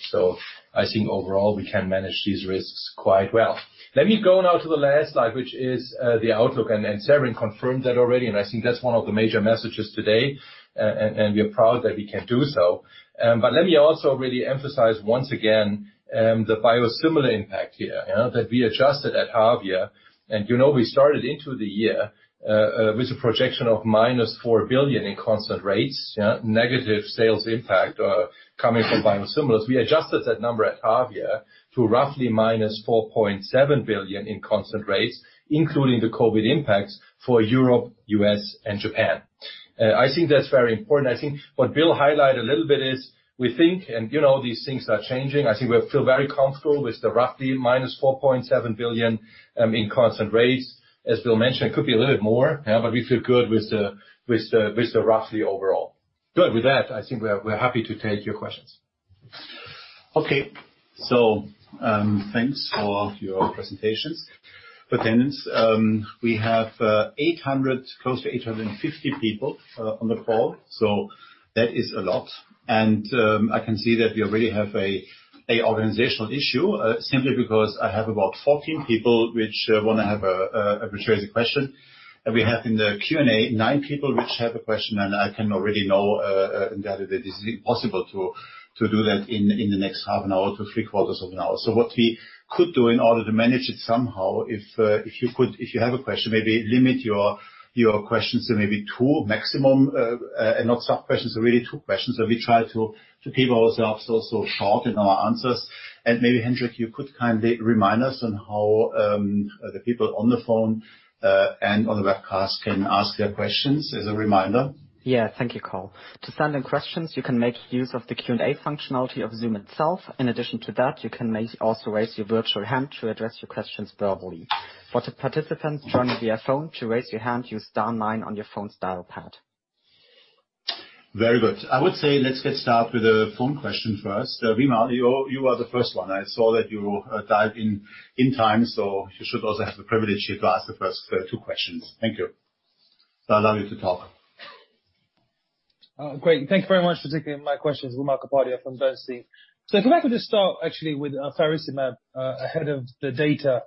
I think overall, we can manage these risks quite well. Let me go now to the last slide, which is the outlook. Severin confirmed that already, and I think that's one of the major messages today. We are proud that we can do so. Let me also really emphasize once again, the biosimilar impact here. That we adjusted at half year. We started into the year with a projection of -4 billion in constant rates. Negative sales impact coming from biosimilars. We adjusted that number at half year to roughly -4.7 billion in constant rates, including the COVID impacts for Europe, U.S., and Japan. I think that's very important. I think what Bill highlighted a little bit is we think, these things are changing. I think we feel very comfortable with the roughly -4.7 billion in constant rates. As Bill mentioned, it could be a little bit more, but we feel good with the roughly overall. Good. With that, I think we're happy to take your questions. Okay. Thanks for your presentations. Attendees, we have close to 850 people on the call, that is a lot. I can see that we already have an organizational issue, simply because I have about 14 people which want to have which raise a question. We have in the Q&A, nine people which have a question, I can already know, in there, that it is impossible to do that in the next half an hour to three quarters of an hour. What we could do in order to manage it somehow, if you have a question, maybe limit your questions to maybe two maximum, not sub questions, but really two questions, and we try to keep ourselves also short in our answers. Maybe, Hendrik, you could kindly remind us on how the people on the phone and on the webcast can ask their questions as a reminder. Yeah. Thank you, Karl. To send in questions, you can make use of the Q&A functionality of Zoom itself. In addition to that, you can also raise your virtual hand to address your questions verbally. For the participants joining via phone, to raise your hand, use star nine on your phone's dial pad. Very good. I would say let's get started with a phone question first. Wimal, you are the first one. I saw that you dived in in time, so you should also have the privilege to ask the first two questions. Thank you. I'll allow you to talk. Great. Thank you very much for taking my questions. Wimal Kapadia from Bernstein. If I could just start actually with faricimab ahead of the data.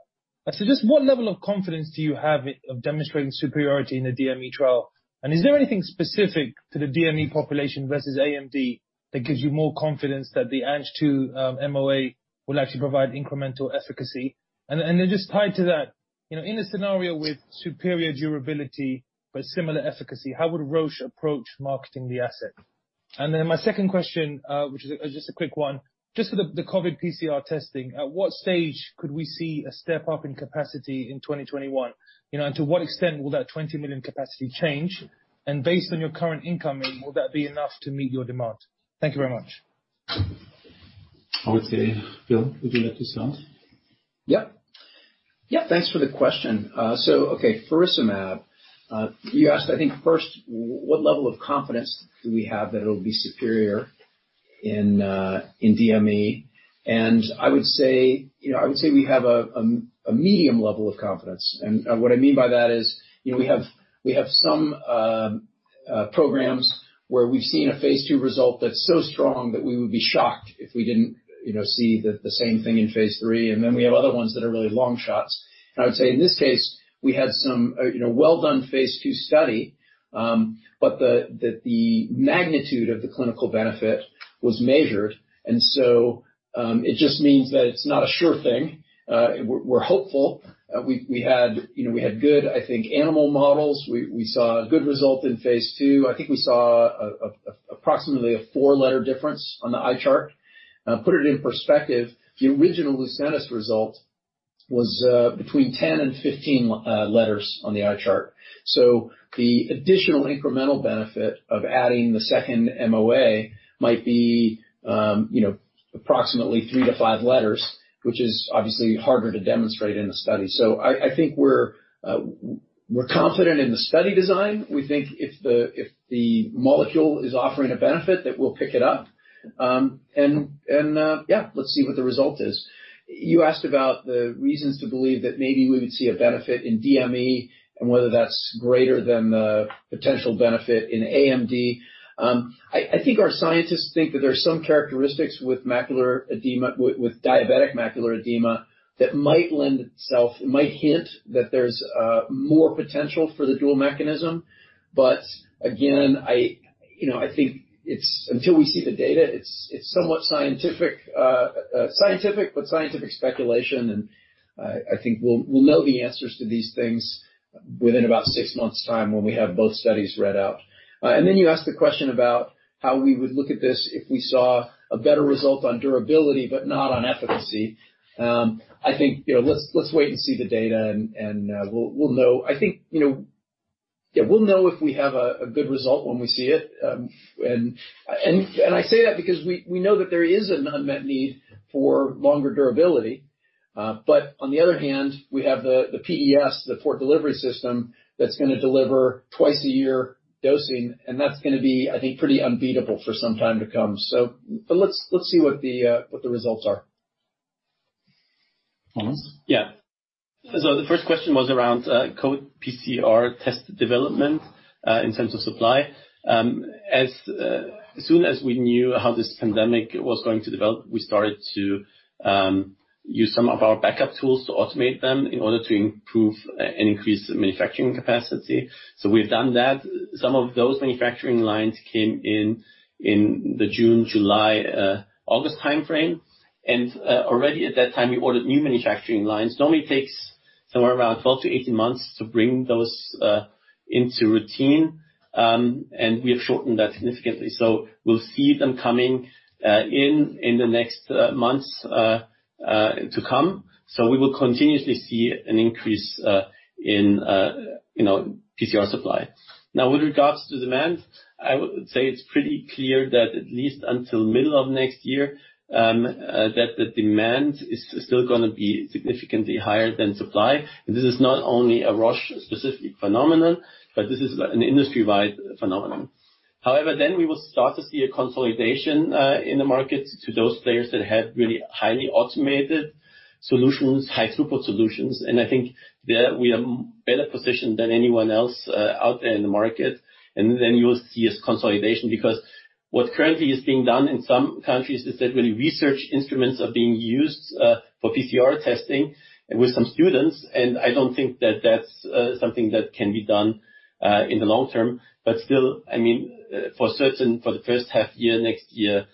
Just what level of confidence do you have of demonstrating superiority in the DME trial? Is there anything specific to the DME population versus AMD that gives you more confidence that the Ang-2 MOA will actually provide incremental efficacy? Just tied to that, in a scenario with superior durability but similar efficacy, how would Roche approach marketing the asset? My second question, which is just a quick one. Just for the COVID PCR testing, at what stage could we see a step-up in capacity in 2021? To what extent will that 20 million capacity change? Based on your current incoming, will that be enough to meet your demand? Thank you very much. I would say, Bill, would you like to start? Yeah. Thanks for the question. Okay, faricimab. You asked, I think first, what level of confidence do we have that it'll be superior in DME? I would say we have a medium level of confidence. What I mean by that is, we have some programs where we've seen a phase II result that's so strong that we would be shocked if we didn't see the same thing in phase III. We have other ones that are really long shots. I would say in this case, we had some well-done phase II study, but that the magnitude of the clinical benefit was measured. It just means that it's not a sure thing. We're hopeful. We had good, I think animal models. We saw a good result in phase II. I think we saw approximately a four-letter difference on the eye chart. Put it in perspective, the original Lucentis result was between 10 and 15 letters on the eye chart. The additional incremental benefit of adding the second MOA might be approximately three to five letters, which is obviously harder to demonstrate in a study. I think we're confident in the study design. We think if the molecule is offering a benefit, that we'll pick it up. Yeah, let's see what the result is. You asked about the reasons to believe that maybe we would see a benefit in DME and whether that's greater than the potential benefit in AMD. I think our scientists think that there are some characteristics with diabetic macular edema that might lend itself, might hint that there's more potential for the dual mechanism. Again, I think until we see the data, it's somewhat scientific, but scientific speculation, and I think we'll know the answers to these things within about six months' time when we have both studies read out. Then you asked the question about how we would look at this if we saw a better result on durability but not on efficacy. I think let's wait and see the data and we'll know. I think we'll know if we have a good result when we see it. I say that because we know that there is an unmet need for longer durability. On the other hand, we have the PDS, the Port Delivery System, that's going to deliver twice-a-year dosing, and that's going to be, I think, pretty unbeatable for some time to come. Let's see what the results are. Thomas? Yeah. The first question was around COVID PCR test development, in terms of supply. As soon as we knew how this pandemic was going to develop, we started to use some of our backup tools to automate them in order to improve and increase the manufacturing capacity. We've done that. Some of those manufacturing lines came in in the June, July, August timeframe. Already at that time, we ordered new manufacturing lines. It normally takes somewhere around 12 to 18 months to bring those into routine, and we have shortened that significantly. We'll see them coming in, in the next months to come. We will continuously see an increase in PCR supply. Now, with regards to demand, I would say it's pretty clear that at least until middle of next year, that the demand is still going to be significantly higher than supply. This is not only a Roche-specific phenomenon, but this is an industry-wide phenomenon. We will start to see a consolidation in the market to those players that had really highly automated solutions, high throughput solutions, and I think there we are better positioned than anyone else out there in the market. You will see a consolidation, because what currently is being done in some countries is that really research instruments are being used for PCR testing and with some students, I don't think that that's something that can be done in the long term. I mean, for certain, for the first half year next year,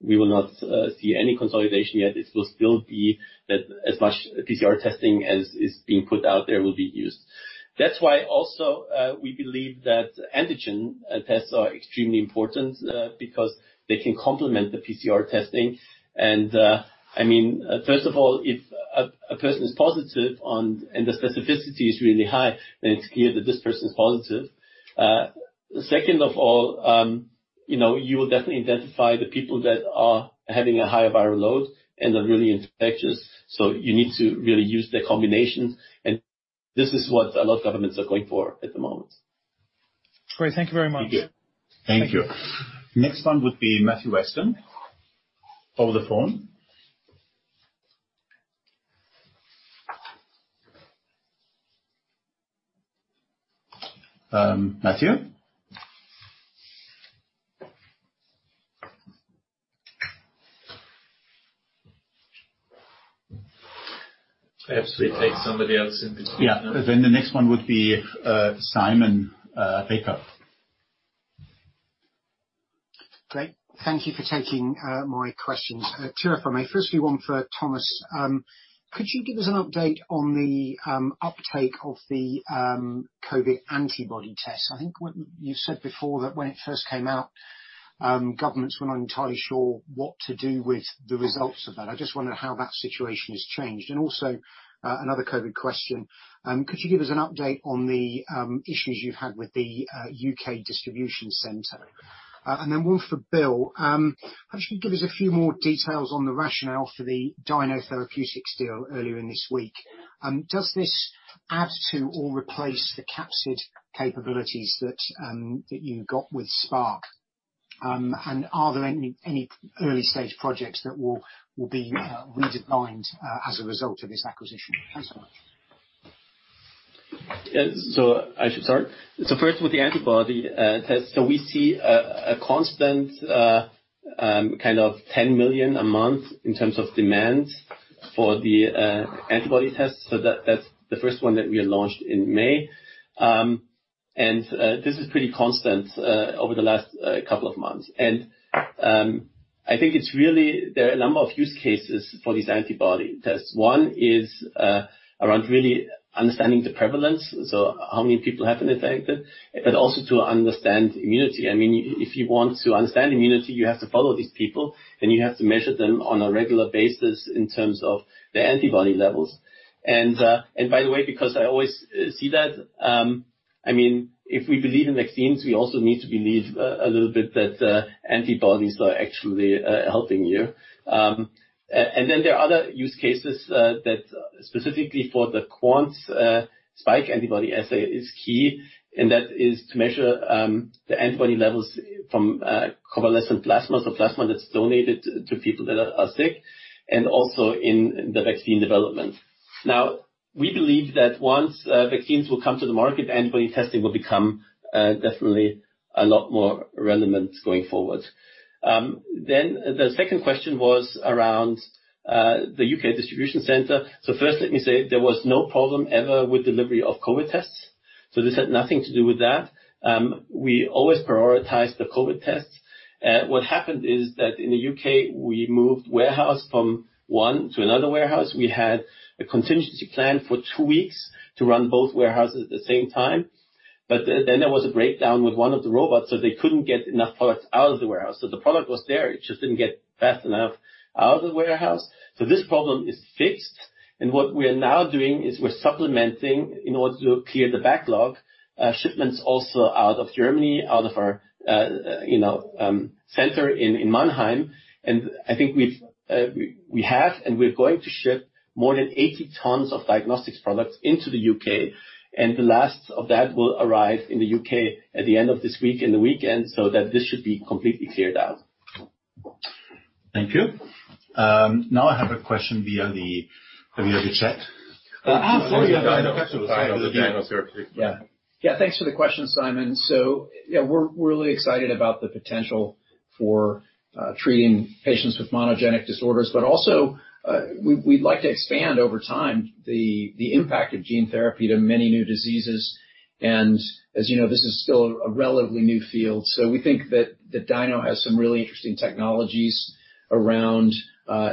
we will not see any consolidation yet. It will still be that as much PCR testing as is being put out there will be used. That's why also, we believe that antigen tests are extremely important because they can complement the PCR testing. First of all, if a person is positive and the specificity is really high, then it's clear that this person is positive. Second of all, you will definitely identify the people that are having a higher viral load and are really infectious. You need to really use the combination and. This is what a lot of governments are going for at the moment. Great. Thank you very much. Thank you. Next one would be Matthew Weston over the phone. Matthew? Perhaps we take somebody else in between. Yeah. The next one would be Simon Baker. Great. Thank you for taking my questions. Two of them. My first few one for Thomas. Could you give us an update on the uptake of the COVID antibody test? I think what you said before that when it first came out, governments were not entirely sure what to do with the results of that. I just wonder how that situation has changed. Also, another COVID question. Could you give us an update on the issues you had with the U.K. distribution center? One for Bill. Actually, give us a few more details on the rationale for the Dyno Therapeutics deal earlier in this week. Does this add to or replace the capsid capabilities that you got with Spark? Are there any early-stage projects that will be redesigned as a result of this acquisition? Thanks so much. I should start. First with the antibody test. We see a constant kind of 10 million a month in terms of demand for the antibody test. That's the first one that we launched in May. This is pretty constant over the last couple of months. I think there are a number of use cases for these antibody tests. One is around really understanding the prevalence, how many people have been affected, but also to understand immunity. If you want to understand immunity, you have to follow these people, and you have to measure them on a regular basis in terms of their antibody levels. By the way, because I always see that, if we believe in vaccines, we also need to believe a little bit that antibodies are actually helping you. There are other use cases, specifically for the Quants spike antibody assay is key, and that is to measure the antibody levels from convalescent plasma. Plasma that's donated to people that are sick and also in the vaccine development. We believe that once vaccines will come to the market, antibody testing will become definitely a lot more relevant going forward. The second question was around the U.K. distribution center. First let me say there was no problem ever with delivery of COVID tests. This had nothing to do with that. We always prioritized the COVID test. What happened is that in the U.K., we moved warehouse from one to another warehouse. We had a contingency plan for two weeks to run both warehouses at the same time. There was a breakdown with one of the robots, they couldn't get enough products out of the warehouse. The product was there. It just didn't get fast enough out of the warehouse. This problem is fixed, what we are now doing is we're supplementing, in order to clear the backlog, shipments also out of Germany, out of our center in Mannheim. I think we're going to ship more than 80 tons of diagnostics products into the UK, the last of that will arrive in the UK at the end of this week, in the weekend, this should be completely cleared out. Thank you. Now I have a question via the chat. Oh. Sorry about that. Yeah. Yeah. Thanks for the question, Simon. Yeah, we're really excited about the potential for treating patients with monogenic disorders, but also, we'd like to expand over time the impact of gene therapy to many new diseases. As you know, this is still a relatively new field. We think that Dyno has some really interesting technologies around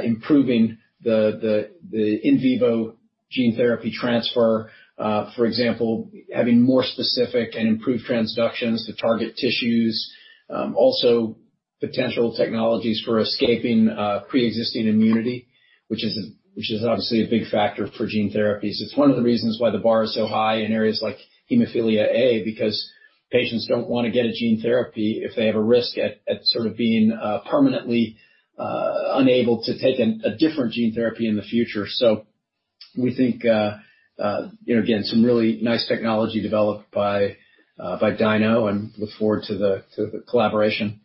improving the in vivo gene therapy transfer. For example, having more specific and improved transductions to target tissues. Also potential technologies for escaping preexisting immunity, which is obviously a big factor for gene therapies. It's one of the reasons why the bar is so high in areas like hemophilia A, because patients don't want to get a gene therapy if they have a risk at sort of being permanently unable to take a different gene therapy in the future. We think, again, some really nice technology developed by Dyno and look forward to the collaboration.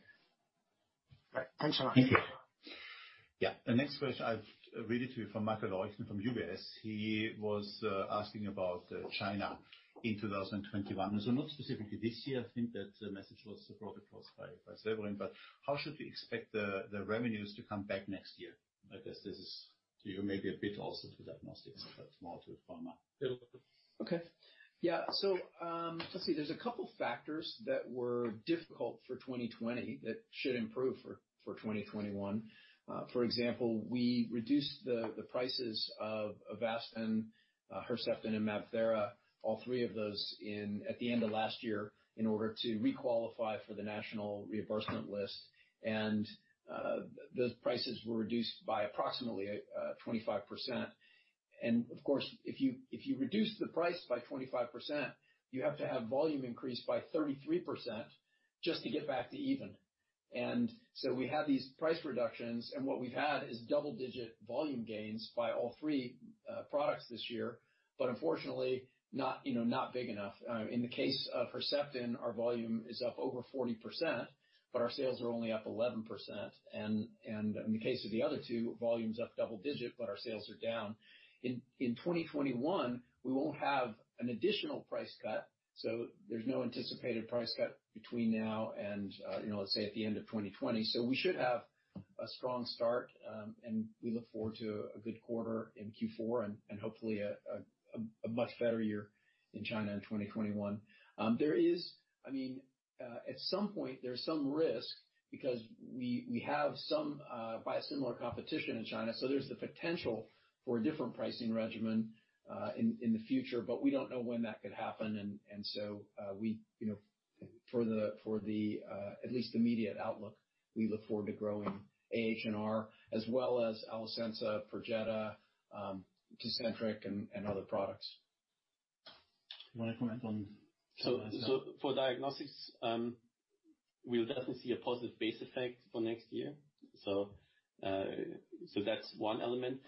Right. Thanks so much. Thank you. The next question, I'll read it to you from Michael Leuchten from UBS. He was asking about China in 2021. Not specifically this year, I think that message was probably caused by Severin. How should we expect the revenues to come back next year? I guess this is to you maybe a bit also to diagnostics, but more to pharma. Bill. Okay. Yeah. Let's see. There's a couple factors that were difficult for 2020 that should improve for 2021. For example, we reduced the prices of Avastin, Herceptin, and MabThera, all three of those at the end of last year in order to requalify for the national reimbursement list. Those prices were reduced by approximately 25%. Of course, if you reduce the price by 25%, you have to have volume increase by 33% just to get back to even. We had these price reductions, and what we've had is double-digit volume gains by all three products this year. Unfortunately, not big enough. In the case of Herceptin, our volume is up over 40%, but our sales are only up 11%. In the case of the other two, volume's up double digit, but our sales are down. In 2021, we won't have an additional price cut, so there's no anticipated price cut between now and let's say the end of 2020. We should have a strong start, and we look forward to a good quarter in Q4 and hopefully a much better year in China in 2021. At some point, there's some risk because we have some biosimilar competition in China. There's the potential for a different pricing regimen in the future, but we don't know when that could happen. For at least the immediate outlook, we look forward to growing A, H, and R, as well as Lucentis, Perjeta, TECENTRIQ, and other products. You want to comment on- For Diagnostics, we'll definitely see a positive base effect for next year. That's one element.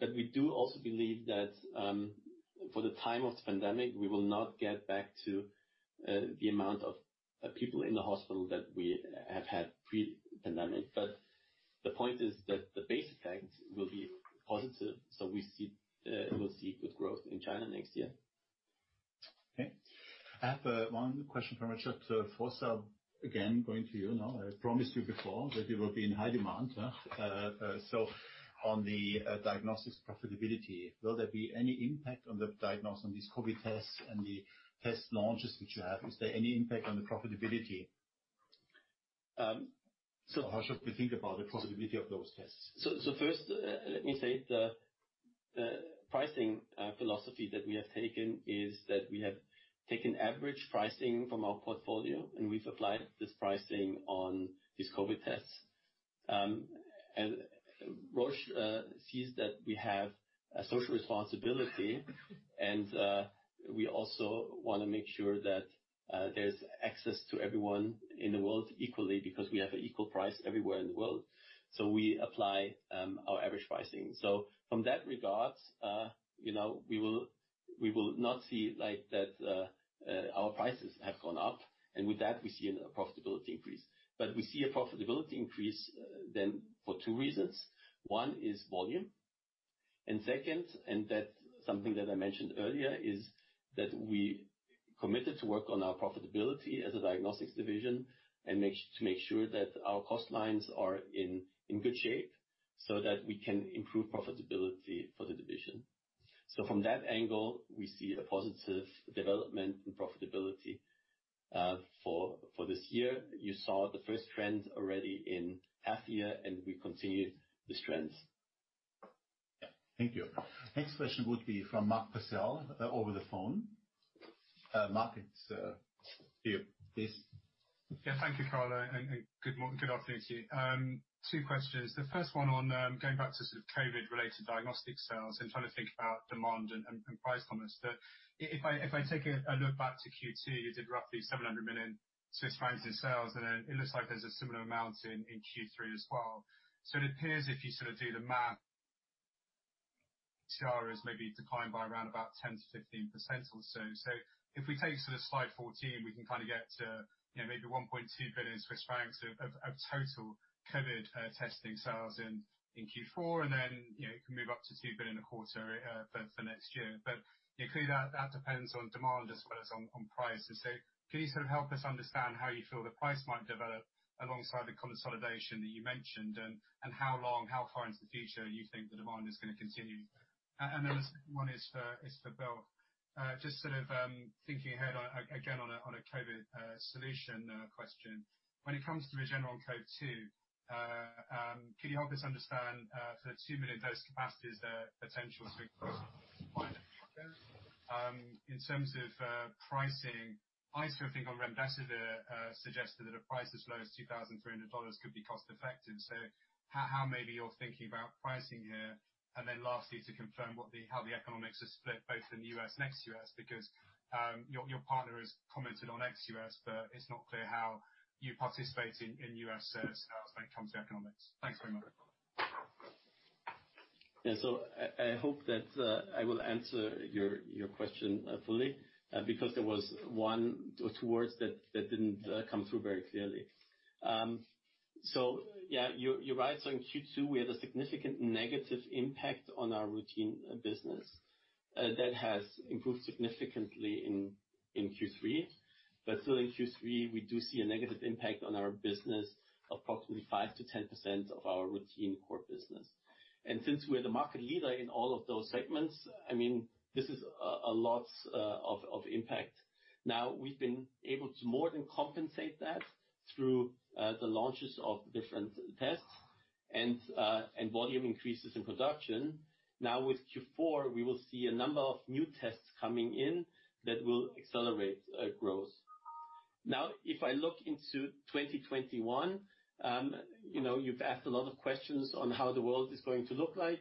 We do also believe that, for the time of pandemic, we will not get back to the amount of people in the hospital that we have had pre-pandemic. The point is that the base effect will be positive. We will see good growth in China next year. Okay. I have one question from Richard Vosser. Again, going to you now. I promised you before that you will be in high demand. On the diagnostics profitability, will there be any impact on the diagnostics on these COVID tests and the test launches that you have? Is there any impact on the profitability? How should we think about the profitability of those tests? First, let me say, the pricing philosophy that we have taken is that we have taken average pricing from our portfolio, and we've applied this pricing on these COVID tests. Roche sees that we have a social responsibility, and we also want to make sure that there's access to everyone in the world equally, because we have an equal price everywhere in the world. We apply our average pricing. From that regard, we will not see that our prices have gone up. With that, we see a profitability increase. We see a profitability increase then for two reasons. One is volume, and second, and that's something that I mentioned earlier, is that we committed to work on our profitability as a Diagnostics division and to make sure that our cost lines are in good shape so that we can improve profitability for the division. From that angle, we see a positive development in profitability for this year. You saw the first trend already in half year, and we continue this trend. Yeah. Thank you. Next question would be from Mark Purcell over the phone. Mark, it's you. Please. Thank you, Karl, and good afternoon to you. Two questions. The first one on going back to sort of COVID related diagnostic sales and trying to think about demand and price on this. If I take a look back to Q2, you did roughly 700 million Swiss francs in sales, and then it looks like there's a similar amount in Q3 as well. It appears if you sort of do the math, is maybe declined by around about 10%-15% or so. If we take sort of slide 14, we can kind of get to maybe 1.2 billion Swiss francs of total COVID testing sales in Q4, and then it can move up to 2 billion a quarter for next year. Clearly, that depends on demand as well as on price. Can you sort of help us understand how you feel the price might develop alongside the consolidation that you mentioned, and how long, how far into the future you think the demand is going to continue? The second one is for Bill. Just sort of thinking ahead, again, on a COVID solution question. When it comes to REGN-COV2, can you help us understand the 2 million dose capacity? In terms of pricing, ICER, I think, or Ambassadeur suggested that a price as low as CHF 2,300 could be cost-effective. How maybe you're thinking about pricing here. Lastly, to confirm how the economics are split both in the U.S. and ex-U.S., because your partner has commented on ex-U.S., but it's not clear how you participate in U.S. sales when it comes to economics. Thanks very much. Yeah. I hope that I will answer your question fully, because there was one or two words that didn't come through very clearly. Yeah, you're right. In Q2, we had a significant negative impact on our routine business. That has improved significantly in Q3. Still in Q3, we do see a negative impact on our business of approximately 5%-10% of our routine core business. Since we're the market leader in all of those segments, this is a lot of impact. Now, we've been able to more than compensate that through the launches of different tests and volume increases in production. Now with Q4, we will see a number of new tests coming in that will accelerate growth. Now, if I look into 2021, you've asked a lot of questions on how the world is going to look like.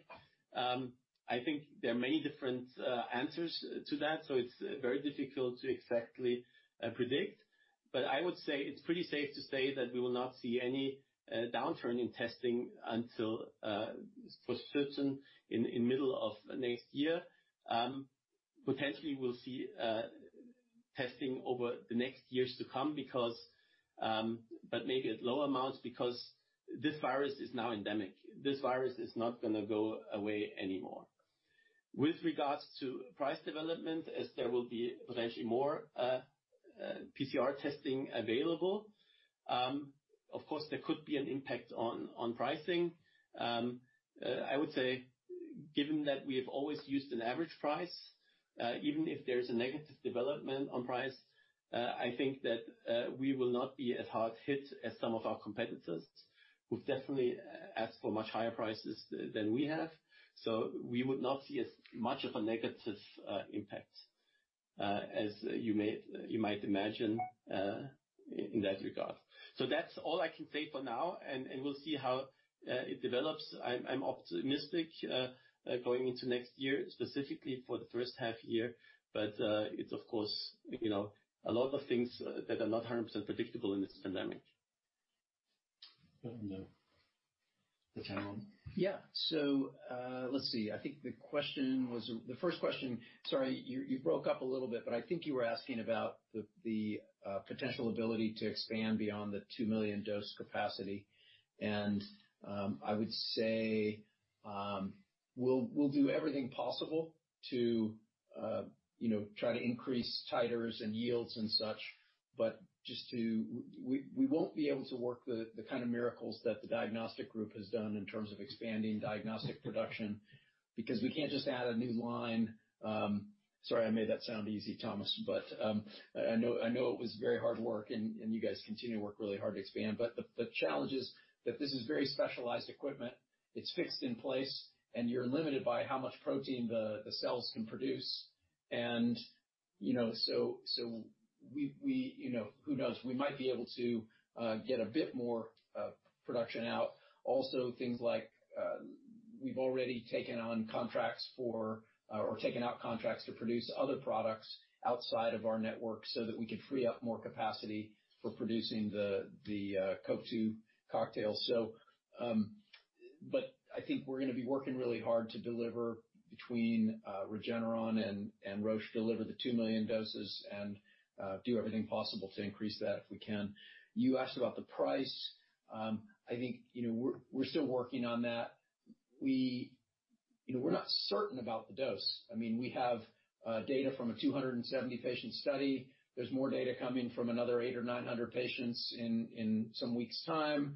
I think there are many different answers to that, so it's very difficult to exactly predict. But I would say it's pretty safe to say that we will not see any downturn in testing until, for certain in middle of next year. Potentially we'll see testing over the next years to come but maybe at low amounts because this virus is now endemic. This virus is not going to go away anymore. With regards to price development, as there will be potentially more PCR testing available, of course, there could be an impact on pricing. I would say, given that we have always used an average price, even if there is a negative development on price, I think that we will not be as hard hit as some of our competitors who've definitely asked for much higher prices than we have. We would not see as much of a negative impact as you might imagine in that regard. That's all I can say for now, and we'll see how it develops. I'm optimistic going into next year, specifically for the first half year. It's, of course, a lot of things that are not 100% predictable in this pandemic. I don't know. The town hall. Yeah. Let's see. I think the first question, sorry, you broke up a little bit, but I think you were asking about the potential ability to expand beyond the 2 million dose capacity. I would say we'll do everything possible to try to increase titers and yields and such, but we won't be able to work the kind of miracles that the Diagnostics group has done in terms of expanding diagnostic production, because we can't just add a new line. Sorry, I made that sound easy, Thomas. I know it was very hard work, and you guys continue to work really hard to expand. The challenge is that this is very specialized equipment. It's fixed in place, and you're limited by how much protein the cells can produce. Who knows, we might be able to get a bit more production out. Things like, we've already taken on contracts for or taken out contracts to produce other products outside of our network so that we can free up more capacity for producing the REGN-COV2 cocktail. I think we're going to be working really hard to deliver between Regeneron and Roche the 2 million doses and do everything possible to increase that if we can. You asked about the price. I think we're still working on that. We're not certain about the dose. We have data from a 270-patient study. There's more data coming from another 800 or 900 patients in some weeks' time.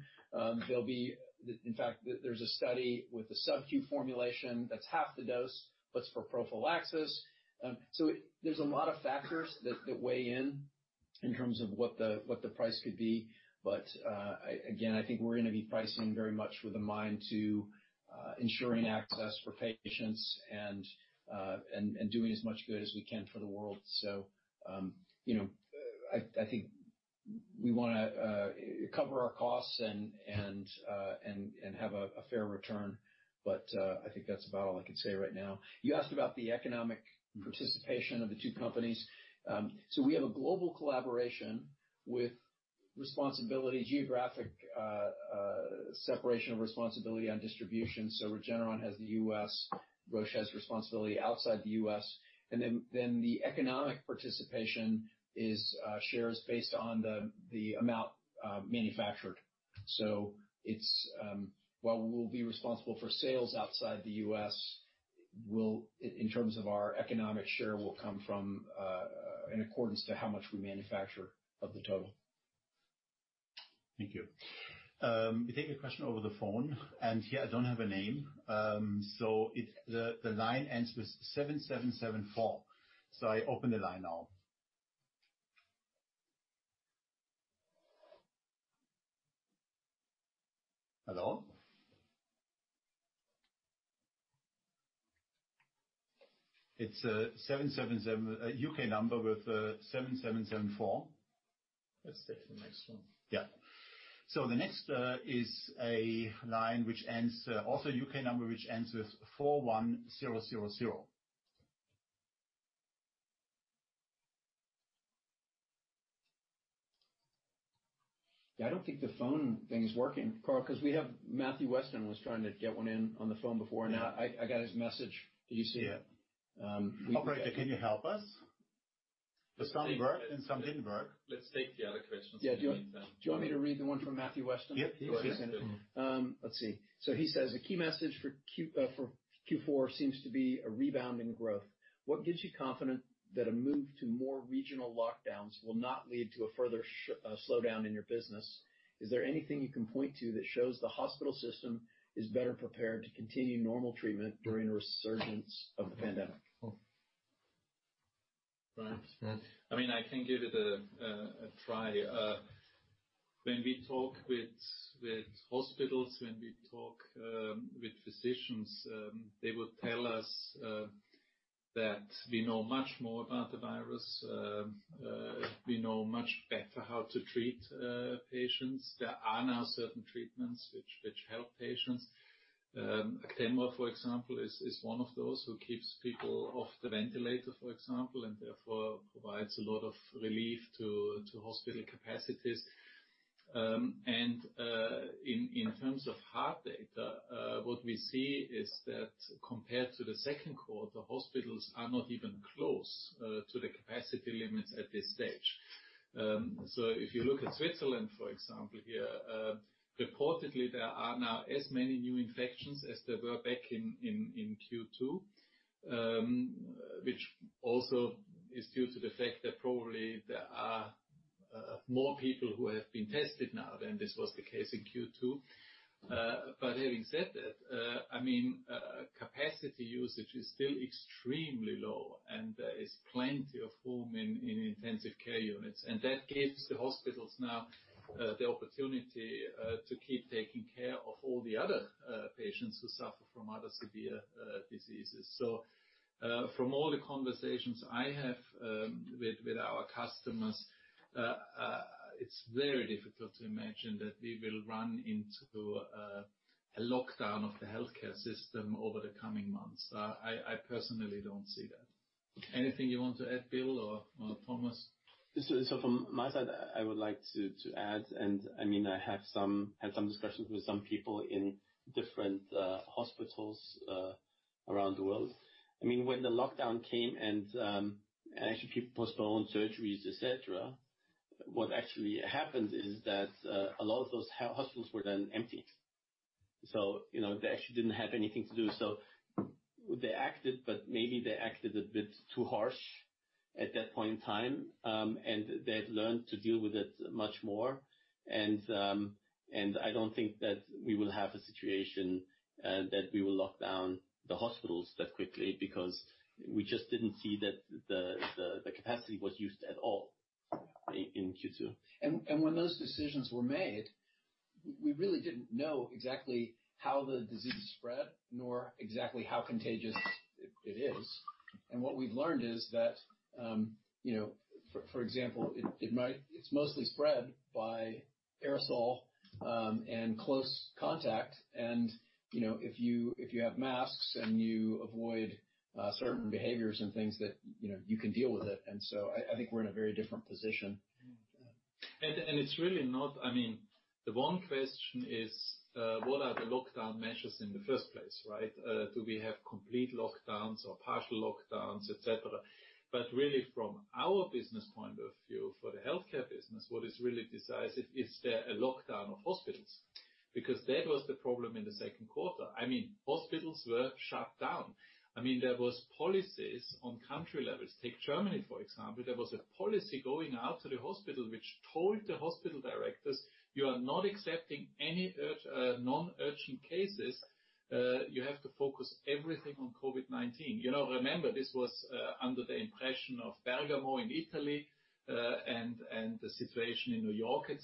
In fact, there's a study with a subcu formulation that's half the dose, but it's for prophylaxis. There's a lot of factors that weigh in terms of what the price could be. Again, I think we're going to be pricing very much with a mind to ensuring access for patients and doing as much good as we can for the world. I think we want to cover our costs and have a fair return, but I think that's about all I can say right now. You asked about the economic participation of the two companies. We have a global collaboration with geographic separation of responsibility on distribution. Regeneron has the U.S., Roche has responsibility outside the U.S. The economic participation is shares based on the amount manufactured. While we'll be responsible for sales outside the U.S., in terms of our economic share will come from in accordance to how much we manufacture of the total. Thank you. We take a question over the phone, and here I don't have a name. The line ends with 7774. I open the line now. Hello? It's a 777 U.K. number with 7774. Let's take the next one. Yeah. The next is a line which ends, also a U.K. number, which ends with 41000. Yeah, I don't think the phone thing is working, Karl, because we have Matthew Weston was trying to get one in on the phone before. Now I got his message. Do you see it? Operator, can you help us? For some it worked and some didn't work. Let's take the other questions in the meantime. Do you want me to read the one from Matthew Weston? Yeah, please. Let's see. He says, "A key message for Q4 seems to be a rebound in growth. What gives you confidence that a move to more regional lockdowns will not lead to a further slowdown in your business? Is there anything you can point to that shows the hospital system is better prepared to continue normal treatment during a resurgence of the pandemic? Right. Right. I can give it a try. When we talk with hospitals, when we talk with physicians, they would tell us that we know much more about the virus. We know much better how to treat patients. There are now certain treatments which help patients. Actemra, for example, is one of those who keeps people off the ventilator, for example, and therefore provides a lot of relief to hospital capacities. In terms of hard data, what we see is that compared to the second quarter, hospitals are not even close to the capacity limits at this stage. If you look at Switzerland, for example, here, reportedly there are now as many new infections as there were back in Q2, which also is due to the fact that probably there are more people who have been tested now than this was the case in Q2. Having said that, capacity usage is still extremely low, and there is plenty of room in intensive care units. That gives the hospitals now the opportunity to keep taking care of all the other patients who suffer from other severe diseases. From all the conversations I have with our customers, it's very difficult to imagine that we will run into a lockdown of the healthcare system over the coming months. I personally don't see that. Anything you want to add, Bill or Thomas? From my side, I would like to add, I have had some discussions with some people in different hospitals around the world. When the lockdown came and actually people postponed surgeries, et cetera, what actually happened is that a lot of those hospitals were then emptied. They actually didn't have anything to do. They acted, but maybe they acted a bit too harsh at that point in time, and they've learned to deal with it much more. I don't think that we will have a situation that we will lock down the hospitals that quickly, because we just didn't see that the capacity was used at all in Q2. When those decisions were made, we really didn't know exactly how the disease spread, nor exactly how contagious it is. What we've learned is that for example, it's mostly spread by aerosol and close contact. If you have masks and you avoid certain behaviors and things that you can deal with it. I think we're in a very different position. It's really not the one question is, what are the lockdown measures in the first place, right? Do we have complete lockdowns or partial lockdowns, et cetera? Really from our business point of view, for the healthcare business, what is really decisive, is there a lockdown of hospitals? Because that was the problem in the second quarter. Hospitals were shut down. There was policies on country levels. Take Germany, for example. There was a policy going out to the hospital, which told the hospital directors, "You are not accepting any non-urgent cases. You have to focus everything on COVID-19." Remember, this was under the impression of Bergamo in Italy and the situation in New York, et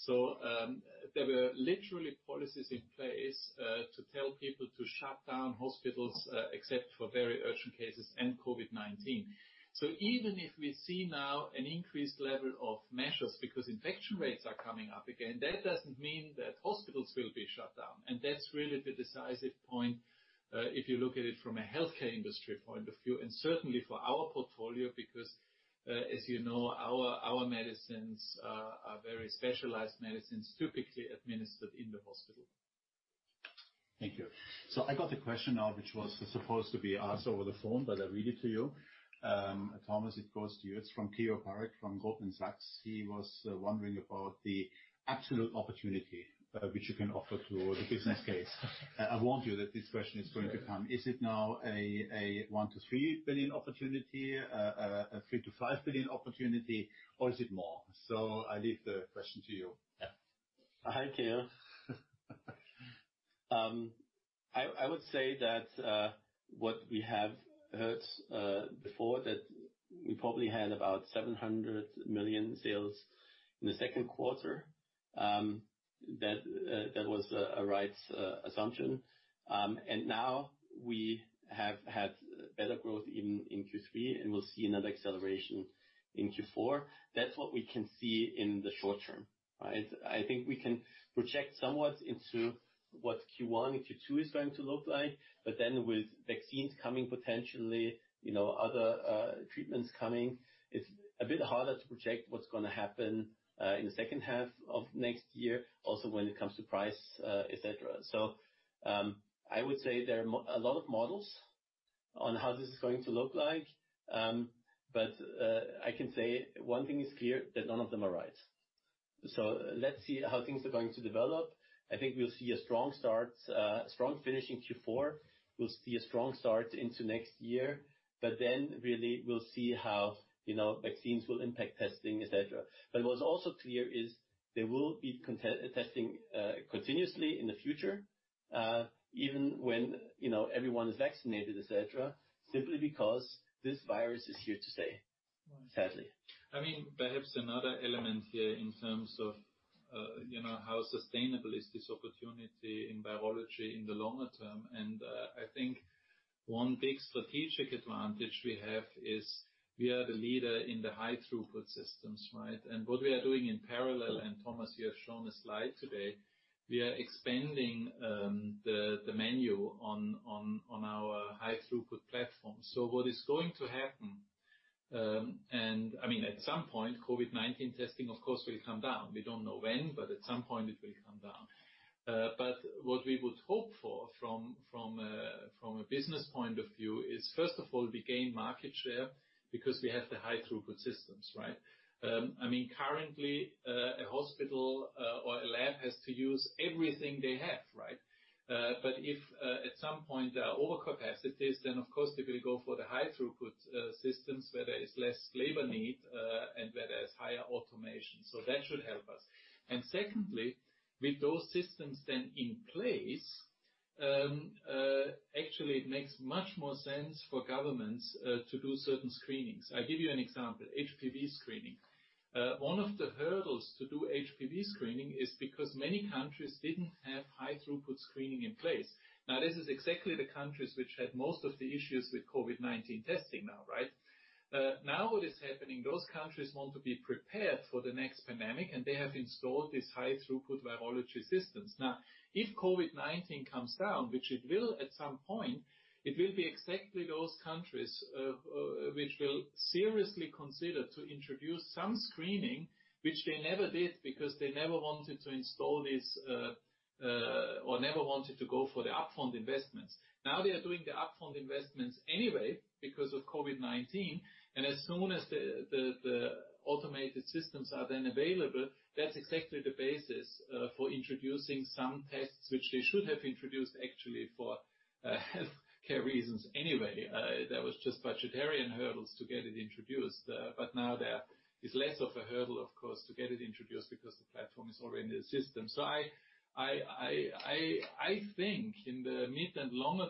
cetera. There were literally policies in place to tell people to shut down hospitals except for very urgent cases and COVID-19. Even if we see now an increased level of measures because infection rates are coming up again, that doesn't mean that hospitals will be shut down. That's really the decisive point if you look at it from a healthcare industry point of view, and certainly for our portfolio, because as you know, our medicines are very specialized medicines typically administered in the hospital. Thank you. I got a question now, which was supposed to be asked over the phone, but I'll read it to you. Thomas, it goes to you. It's from Keyur Parekh from Goldman Sachs. He was wondering about the absolute opportunity which you can offer to the business case. I warned you that this question is going to come. Is it now a 1 billion-3 billion opportunity, a 3 billion-5 billion opportunity, or is it more? I leave the question to you. Hi, Theo. I would say that what we have heard before, that we probably had about 700 million sales in the second quarter. That was a right assumption. Now we have had better growth in Q3, and we'll see another acceleration in Q4. That's what we can see in the short term, right? I think we can project somewhat into what Q1 and Q2 is going to look like. With vaccines coming, potentially, other treatments coming, it's a bit harder to project what's going to happen in the second half of next year, also when it comes to price, et cetera. I would say there are a lot of models on how this is going to look like. I can say one thing is clear, that none of them are right. Let's see how things are going to develop. I think we'll see a strong start, a strong finish in Q4. We'll see a strong start into next year. Really we'll see how vaccines will impact testing, et cetera. What's also clear is there will be testing continuously in the future even when everyone is vaccinated, et cetera, simply because this virus is here to stay, sadly. Perhaps another element here in terms of how sustainable is this opportunity in biology in the longer term. One big strategic advantage we have is we are the leader in the high throughput systems, right? What we are doing in parallel, Thomas, you have shown a slide today, we are expanding the menu on our high throughput platform. What is going to happen, at some point, COVID-19 testing, of course, will come down. We don't know when, at some point it will come down. What we would hope for from a business point of view is, first of all, we gain market share because we have the high throughput systems, right? Currently, a hospital or a lab has to use everything they have, right? If at some point there are over capacities, then of course they will go for the high throughput systems where there is less labor need and where there is higher automation. That should help us. Secondly, with those systems then in place, actually, it makes much more sense for governments to do certain screenings. I'll give you an example, HPV screening. One of the hurdles to do HPV screening is because many countries didn't have high throughput screening in place. This is exactly the countries which had most of the issues with COVID-19 testing now, right? What is happening, those countries want to be prepared for the next pandemic, and they have installed these high throughput virology systems. If COVID-19 comes down, which it will at some point, it will be exactly those countries which will seriously consider to introduce some screening, which they never did because they never wanted to install this or never wanted to go for the upfront investments. They are doing the upfront investments anyway because of COVID-19, and as soon as the automated systems are then available, that's exactly the basis for introducing some tests which they should have introduced actually for healthcare reasons anyway. There was just budgetary hurdles to get it introduced. Now there is less of a hurdle, of course, to get it introduced because the platform is already in the system. I think in the mid and longer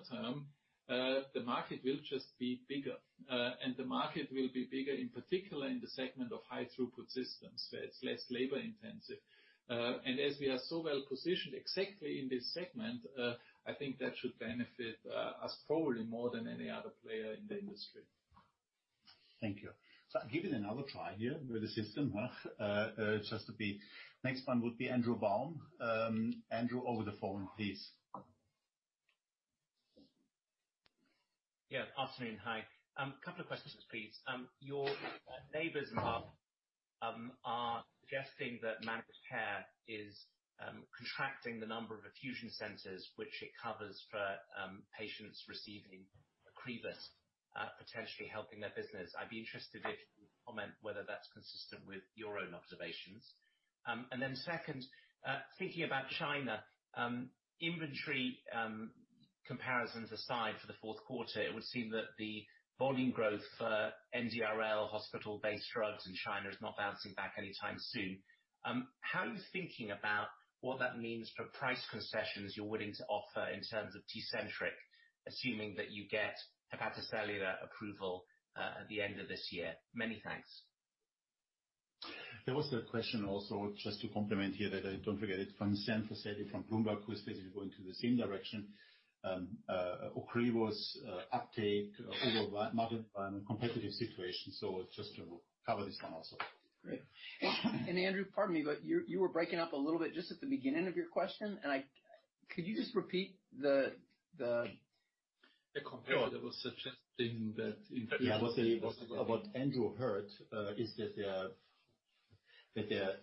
term, the market will just be bigger. The market will be bigger, in particular in the segment of high throughput systems, where it's less labor intensive. As we are so well positioned exactly in this segment, I think that should benefit us probably more than any other player in the industry. Thank you. I'm giving another try here with the system. Next one would be Andrew Baum. Andrew, over the phone, please. Yeah, afternoon, hi. Couple of questions, please. Your neighbors are suggesting that managed care is contracting the number of infusion centers which it covers for patients receiving OCREVUS, potentially helping their business. I'd be interested if you could comment whether that's consistent with your own observations. Second, thinking about China, inventory comparisons aside for the fourth quarter, it would seem that the volume growth for NRDL hospital-based drugs in China is not bouncing back anytime soon. How are you thinking about what that means for price concessions you're willing to offer in terms of TECENTRIQ, assuming that you get hepatocellular approval at the end of this year? Many thanks. There was a question also, just to complement here that I don't forget it, from Sam Fazeli from Bloomberg, who is basically going to the same direction. OCREVUS uptake modeled by a competitive situation. Just to cover this one also. Great. Andrew, pardon me, but you were breaking up a little bit just at the beginning of your question, and could you just repeat? The competitor was suggesting that. What Andrew heard is that there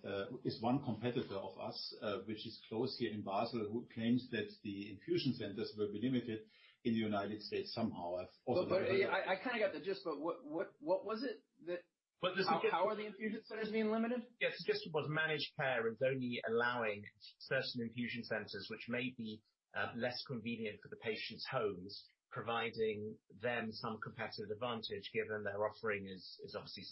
is one competitor of us, which is close here in Basel, who claims that the infusion centers will be limited in the United States somehow. I've also heard that. I kind of got the gist, but what was it that? But the suggestion- How are the infusion centers being limited? Yeah. The suggestion was managed care is only allowing certain infusion centers, which may be less convenient for the patients' homes, providing them some competitive advantage given their offering is obviously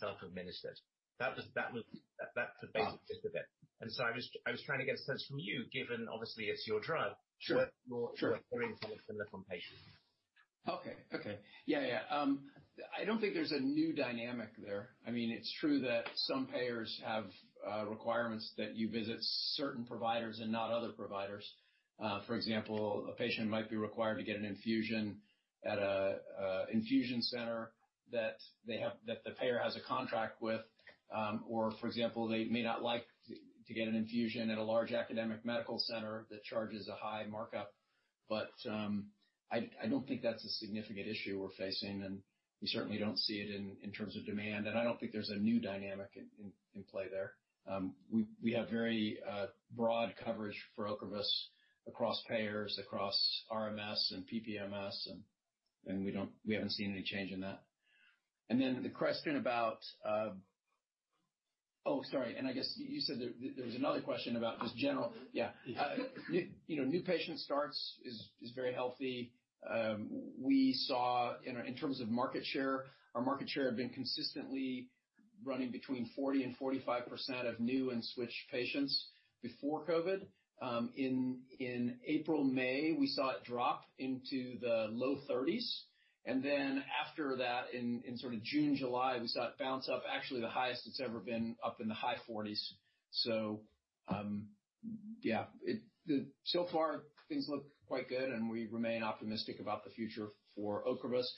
self-administered. That's the basic gist of it. I was trying to get a sense from you, given obviously it's your drug. Sure. Sure. whether you are hearing some of from the patients? Okay. Okay. Yeah. I don't think there's a new dynamic there. It's true that some payers have requirements that you visit certain providers and not other providers. For example, a patient might be required to get an infusion at an infusion center that the payer has a contract with. For example, they may not like to get an infusion at a large academic medical center that charges a high markup. I don't think that's a significant issue we're facing, and we certainly don't see it in terms of demand, and I don't think there's a new dynamic in play there. We have very broad coverage for OCREVUS across payers, across RMS and PPMS, and we haven't seen any change in that. The question about Oh, sorry, and I guess you said there was another question about just general. Yeah. Yes. New patient starts is very healthy. We saw in terms of market share, our market share had been consistently running between 40% and 45% of new and switched patients before COVID. In April, May, we saw it drop into the low 30s, and then after that in sort of June, July, we saw it bounce up actually the highest it's ever been, up in the high 40s. Yeah. Far things look quite good, and we remain optimistic about the future for OCREVUS.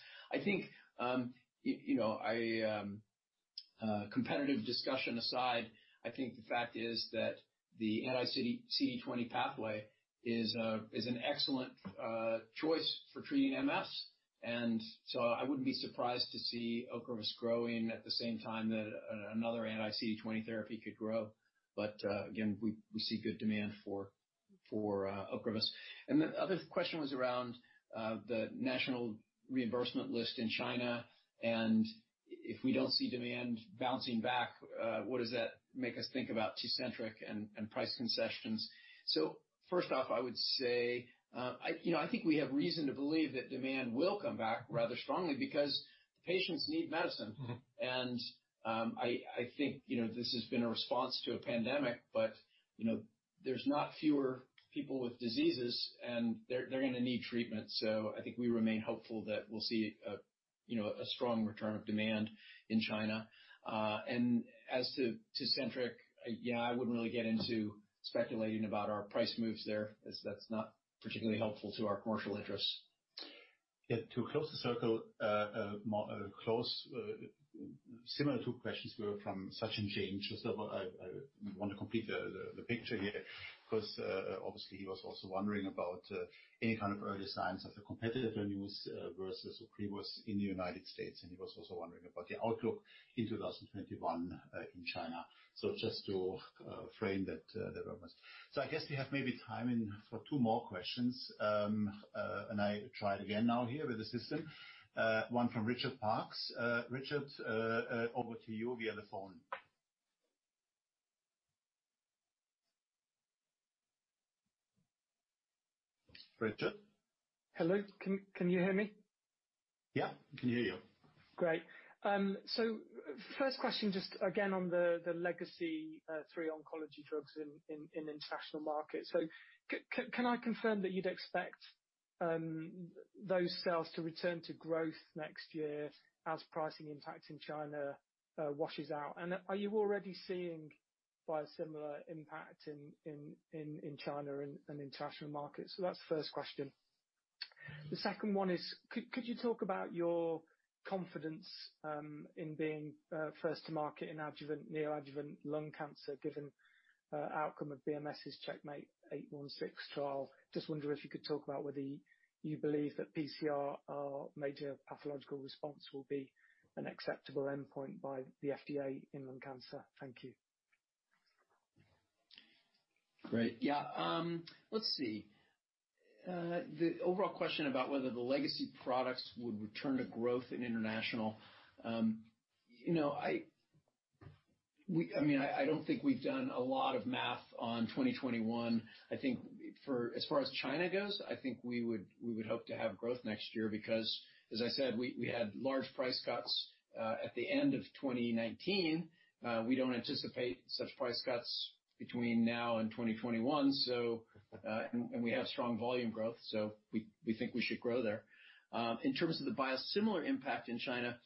Competitive discussion aside, I think the fact is that the anti-CD20 pathway is an excellent choice for treating MS. I wouldn't be surprised to see OCREVUS growing at the same time that another anti-CD20 therapy could grow. Again, we see good demand for OCREVUS. The other question was around the national reimbursement list in China, and if we don't see demand bouncing back, what does that make us think about TECENTRIQ and price concessions. First off, I would say, I think we have reason to believe that demand will come back rather strongly because patients need medicine. I think this has been a response to a pandemic, but there's not fewer people with diseases, and they're going to need treatment. I think we remain hopeful that we'll see a strong return of demand in China. As to TECENTRIQ, yeah, I wouldn't really get into speculating about our price moves there as that's not particularly helpful to our commercial interests. Yeah. To close the circle, similar two questions were from Sachin Jain. Just I want to complete the picture here because, obviously he was also wondering about any kind of early signs of the competitive news versus OCREVUS in the U.S., and he was also wondering about the outlook in 2021, in China. Just to frame that request. I guess we have maybe time for two more questions. I try it again now here with the system. One from Richard Parkes. Richard, over to you via the phone. Richard? Hello, can you hear me? Yeah. We can hear you. Great. First question, just again on the legacy three oncology drugs in international markets. Can I confirm that you'd expect those sales to return to growth next year as pricing impact in China washes out? Are you already seeing biosimilar impact in China and international markets? That's the first question. The second one is, could you talk about your confidence, in being first to market in adjuvant, neoadjuvant lung cancer given outcome of BMS' CheckMate 816 trial? I just wonder if you could talk about whether you believe that PCR or major pathological response will be an acceptable endpoint by the FDA in lung cancer. Thank you. Great. Yeah. Let's see. The overall question about whether the legacy products would return to growth in international. I don't think we've done a lot of math on 2021. I think as far as China goes, I think we would hope to have growth next year because as I said, we had large price cuts, at the end of 2019. We don't anticipate such price cuts between now and 2021. We have strong volume growth, so we think we should grow there. In terms of the biosimilar impact in China,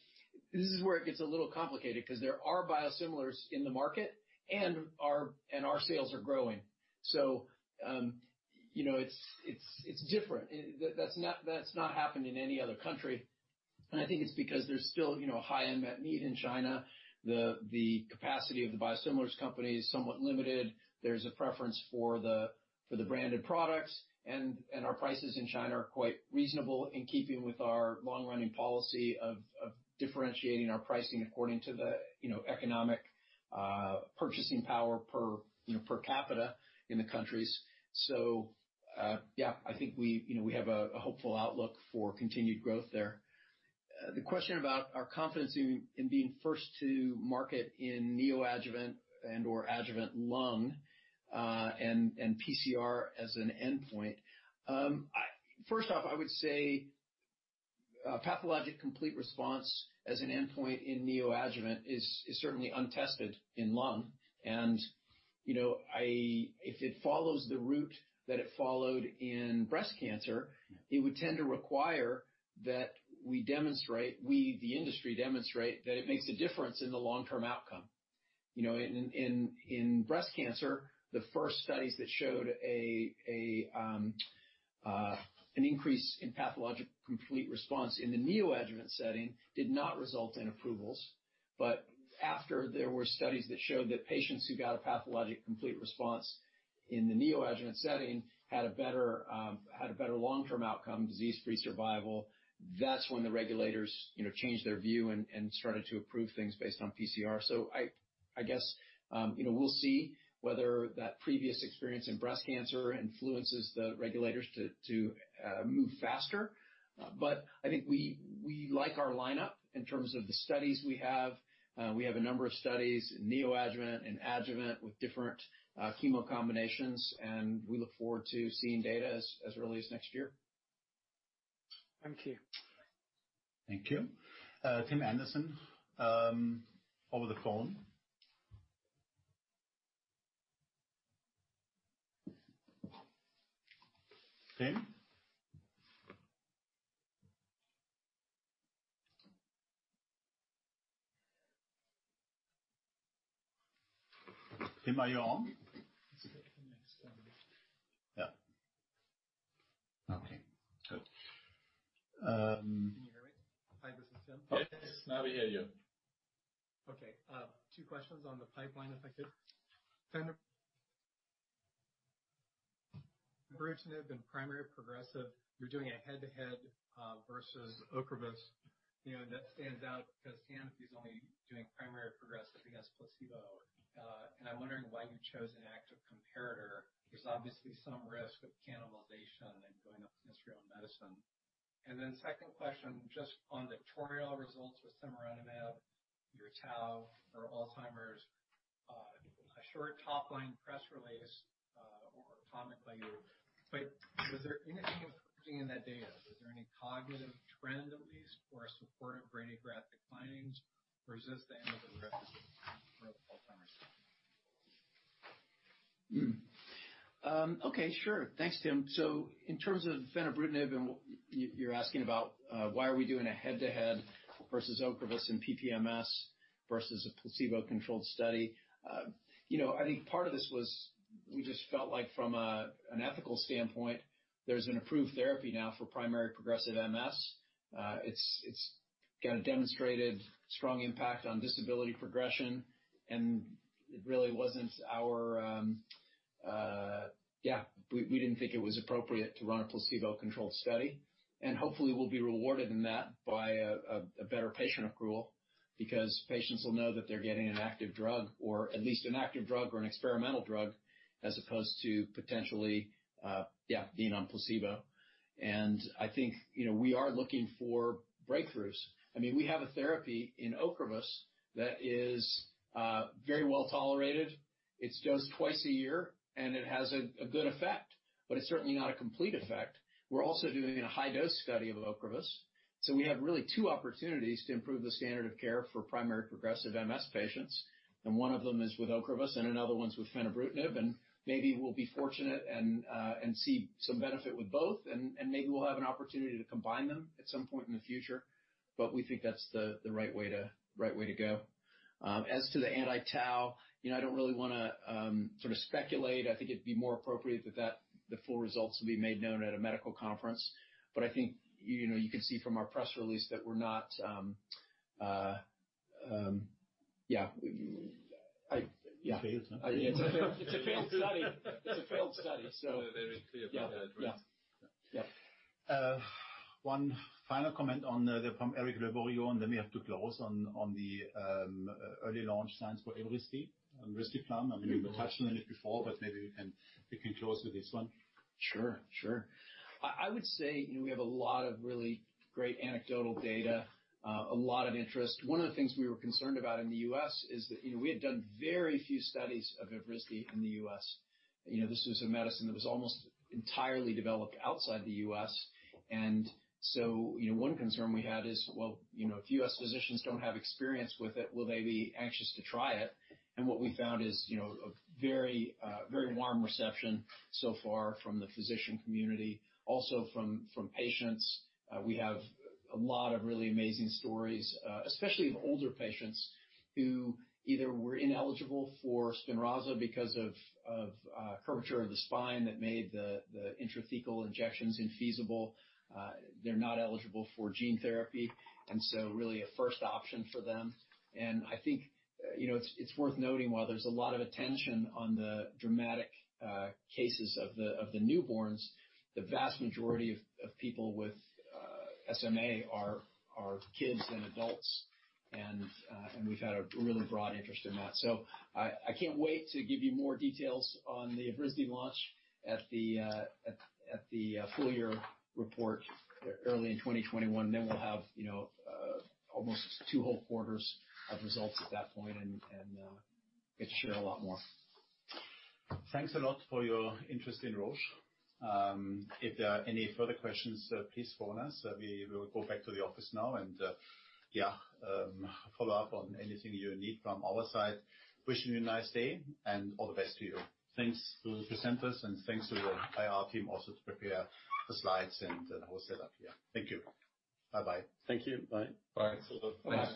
this is where it gets a little complicated because there are biosimilars in the market and our sales are growing. It's different. That's not happened in any other country, and I think it's because there's still a high unmet need in China. The capacity of the biosimilars company is somewhat limited. There's a preference for the branded products. Our prices in China are quite reasonable in keeping with our long-running policy of differentiating our pricing according to the economic purchasing power per capita in the countries. Yeah, I think we have a hopeful outlook for continued growth there. The question about our confidence in being first to market in neoadjuvant and/or adjuvant lung, and PCR as an endpoint. First off, I would say, pathologic complete response as an endpoint in neoadjuvant is certainly untested in lung. If it follows the route that it followed in breast cancer. Yeah. It would tend to require that we demonstrate, we, the industry demonstrate, that it makes a difference in the long-term outcome. In breast cancer, the first studies that showed an increase in pathologic complete response in the neoadjuvant setting did not result in approvals. After there were studies that showed that patients who got a pathologic complete response in the neoadjuvant setting had a better long-term outcome, disease-free survival, that's when the regulators changed their view and started to approve things based on PCR. I guess, we'll see whether that previous experience in breast cancer influences the regulators to move faster. I think we like our lineup in terms of the studies we have. We have a number of studies in neoadjuvant and adjuvant with different chemo combinations, and we look forward to seeing data as early as next year. Thank you. Thank you. Tim Anderson, over the phone. Tim, are you on? Let's get the next one. Yeah. Okay, good. Can you hear me? Hi, this is Tim. Yes. Now we hear you. Okay. Two questions on the pipeline if I could. Fenebrutinib in primary progressive, you're doing a head-to-head versus OCREVUS. That stands out because Ian is only doing primary progressive against placebo. I'm wondering why you chose an active comparator. There's obviously some risk of cannibalization in going up against your own medicine. Second question, just on the TAURIEL results with semorinemab, your tau or Alzheimer's, a short top-line press release or data later. Was there anything improving in that data? Was there any cognitive trend at least or supportive brain graphic findings or is this the end of the road for Alzheimer's? Okay. Sure. Thanks, Tim. In terms of fenebrutinib, and you're asking about why are we doing a head-to-head versus OCREVUS in PPMS versus a placebo-controlled study. I think part of this was we just felt like from an ethical standpoint, there's an approved therapy now for primary progressive MS. It's got a demonstrated strong impact on disability progression, we didn't think it was appropriate to run a placebo-controlled study. Hopefully, we'll be rewarded in that by a better patient accrual because patients will know that they're getting an active drug or an experimental drug as opposed to potentially being on placebo. I think we are looking for breakthroughs. We have a therapy in OCREVUS that is very well-tolerated. It's dosed twice a year, and it has a good effect. It's certainly not a complete effect. We're also doing a high-dose study of OCREVUS. We have really two opportunities to improve the standard of care for primary progressive MS patients, and one of them is with OCREVUS, and another one is with fenebrutinib, and maybe we'll be fortunate and see some benefit with both and maybe we'll have an opportunity to combine them at some point in the future. We think that's the right way to go. As to the anti-tau, I don't really want to speculate. I think it'd be more appropriate that the full results will be made known at a medical conference. I think you can see from our press release that we're not. It failed. It's a failed study. Very clear about that. Yeah. One final comment on from Eric Le Berrigaud, and then we have to close on the early launch plans for Evrysdi, risdiplam. I mean, we've touched on it before, but maybe we can close with this one. Sure. I would say we have a lot of really great anecdotal data, a lot of interest. One of the things we were concerned about in the U.S. is that we had done very few studies of Evrysdi in the U.S. This was a medicine that was almost entirely developed outside the U.S. One concern we had is, well, if U.S. physicians don't have experience with it, will they be anxious to try it? What we found is a very warm reception so far from the physician community, also from patients. We have a lot of really amazing stories, especially of older patients who either were ineligible for SPINRAZA because of curvature of the spine that made the intrathecal injections infeasible. They're not eligible for gene therapy, and so really a first option for them. I think it's worth noting while there's a lot of attention on the dramatic cases of the newborns, the vast majority of people with SMA are kids than adults. We've had a really broad interest in that. I can't wait to give you more details on the Evrysdi launch at the full year report early in 2021. We'll have almost two whole quarters of results at that point and can share a lot more. Thanks a lot for your interest in Roche. If there are any further questions, please phone us. We will go back to the office now and follow up on anything you need from our side. Wishing you a nice day and all the best to you. Thanks to the presenters and thanks to the IR team also to prepare the slides and the whole setup here. Thank you. Bye-bye. Thank you. Bye. Bye. Thanks.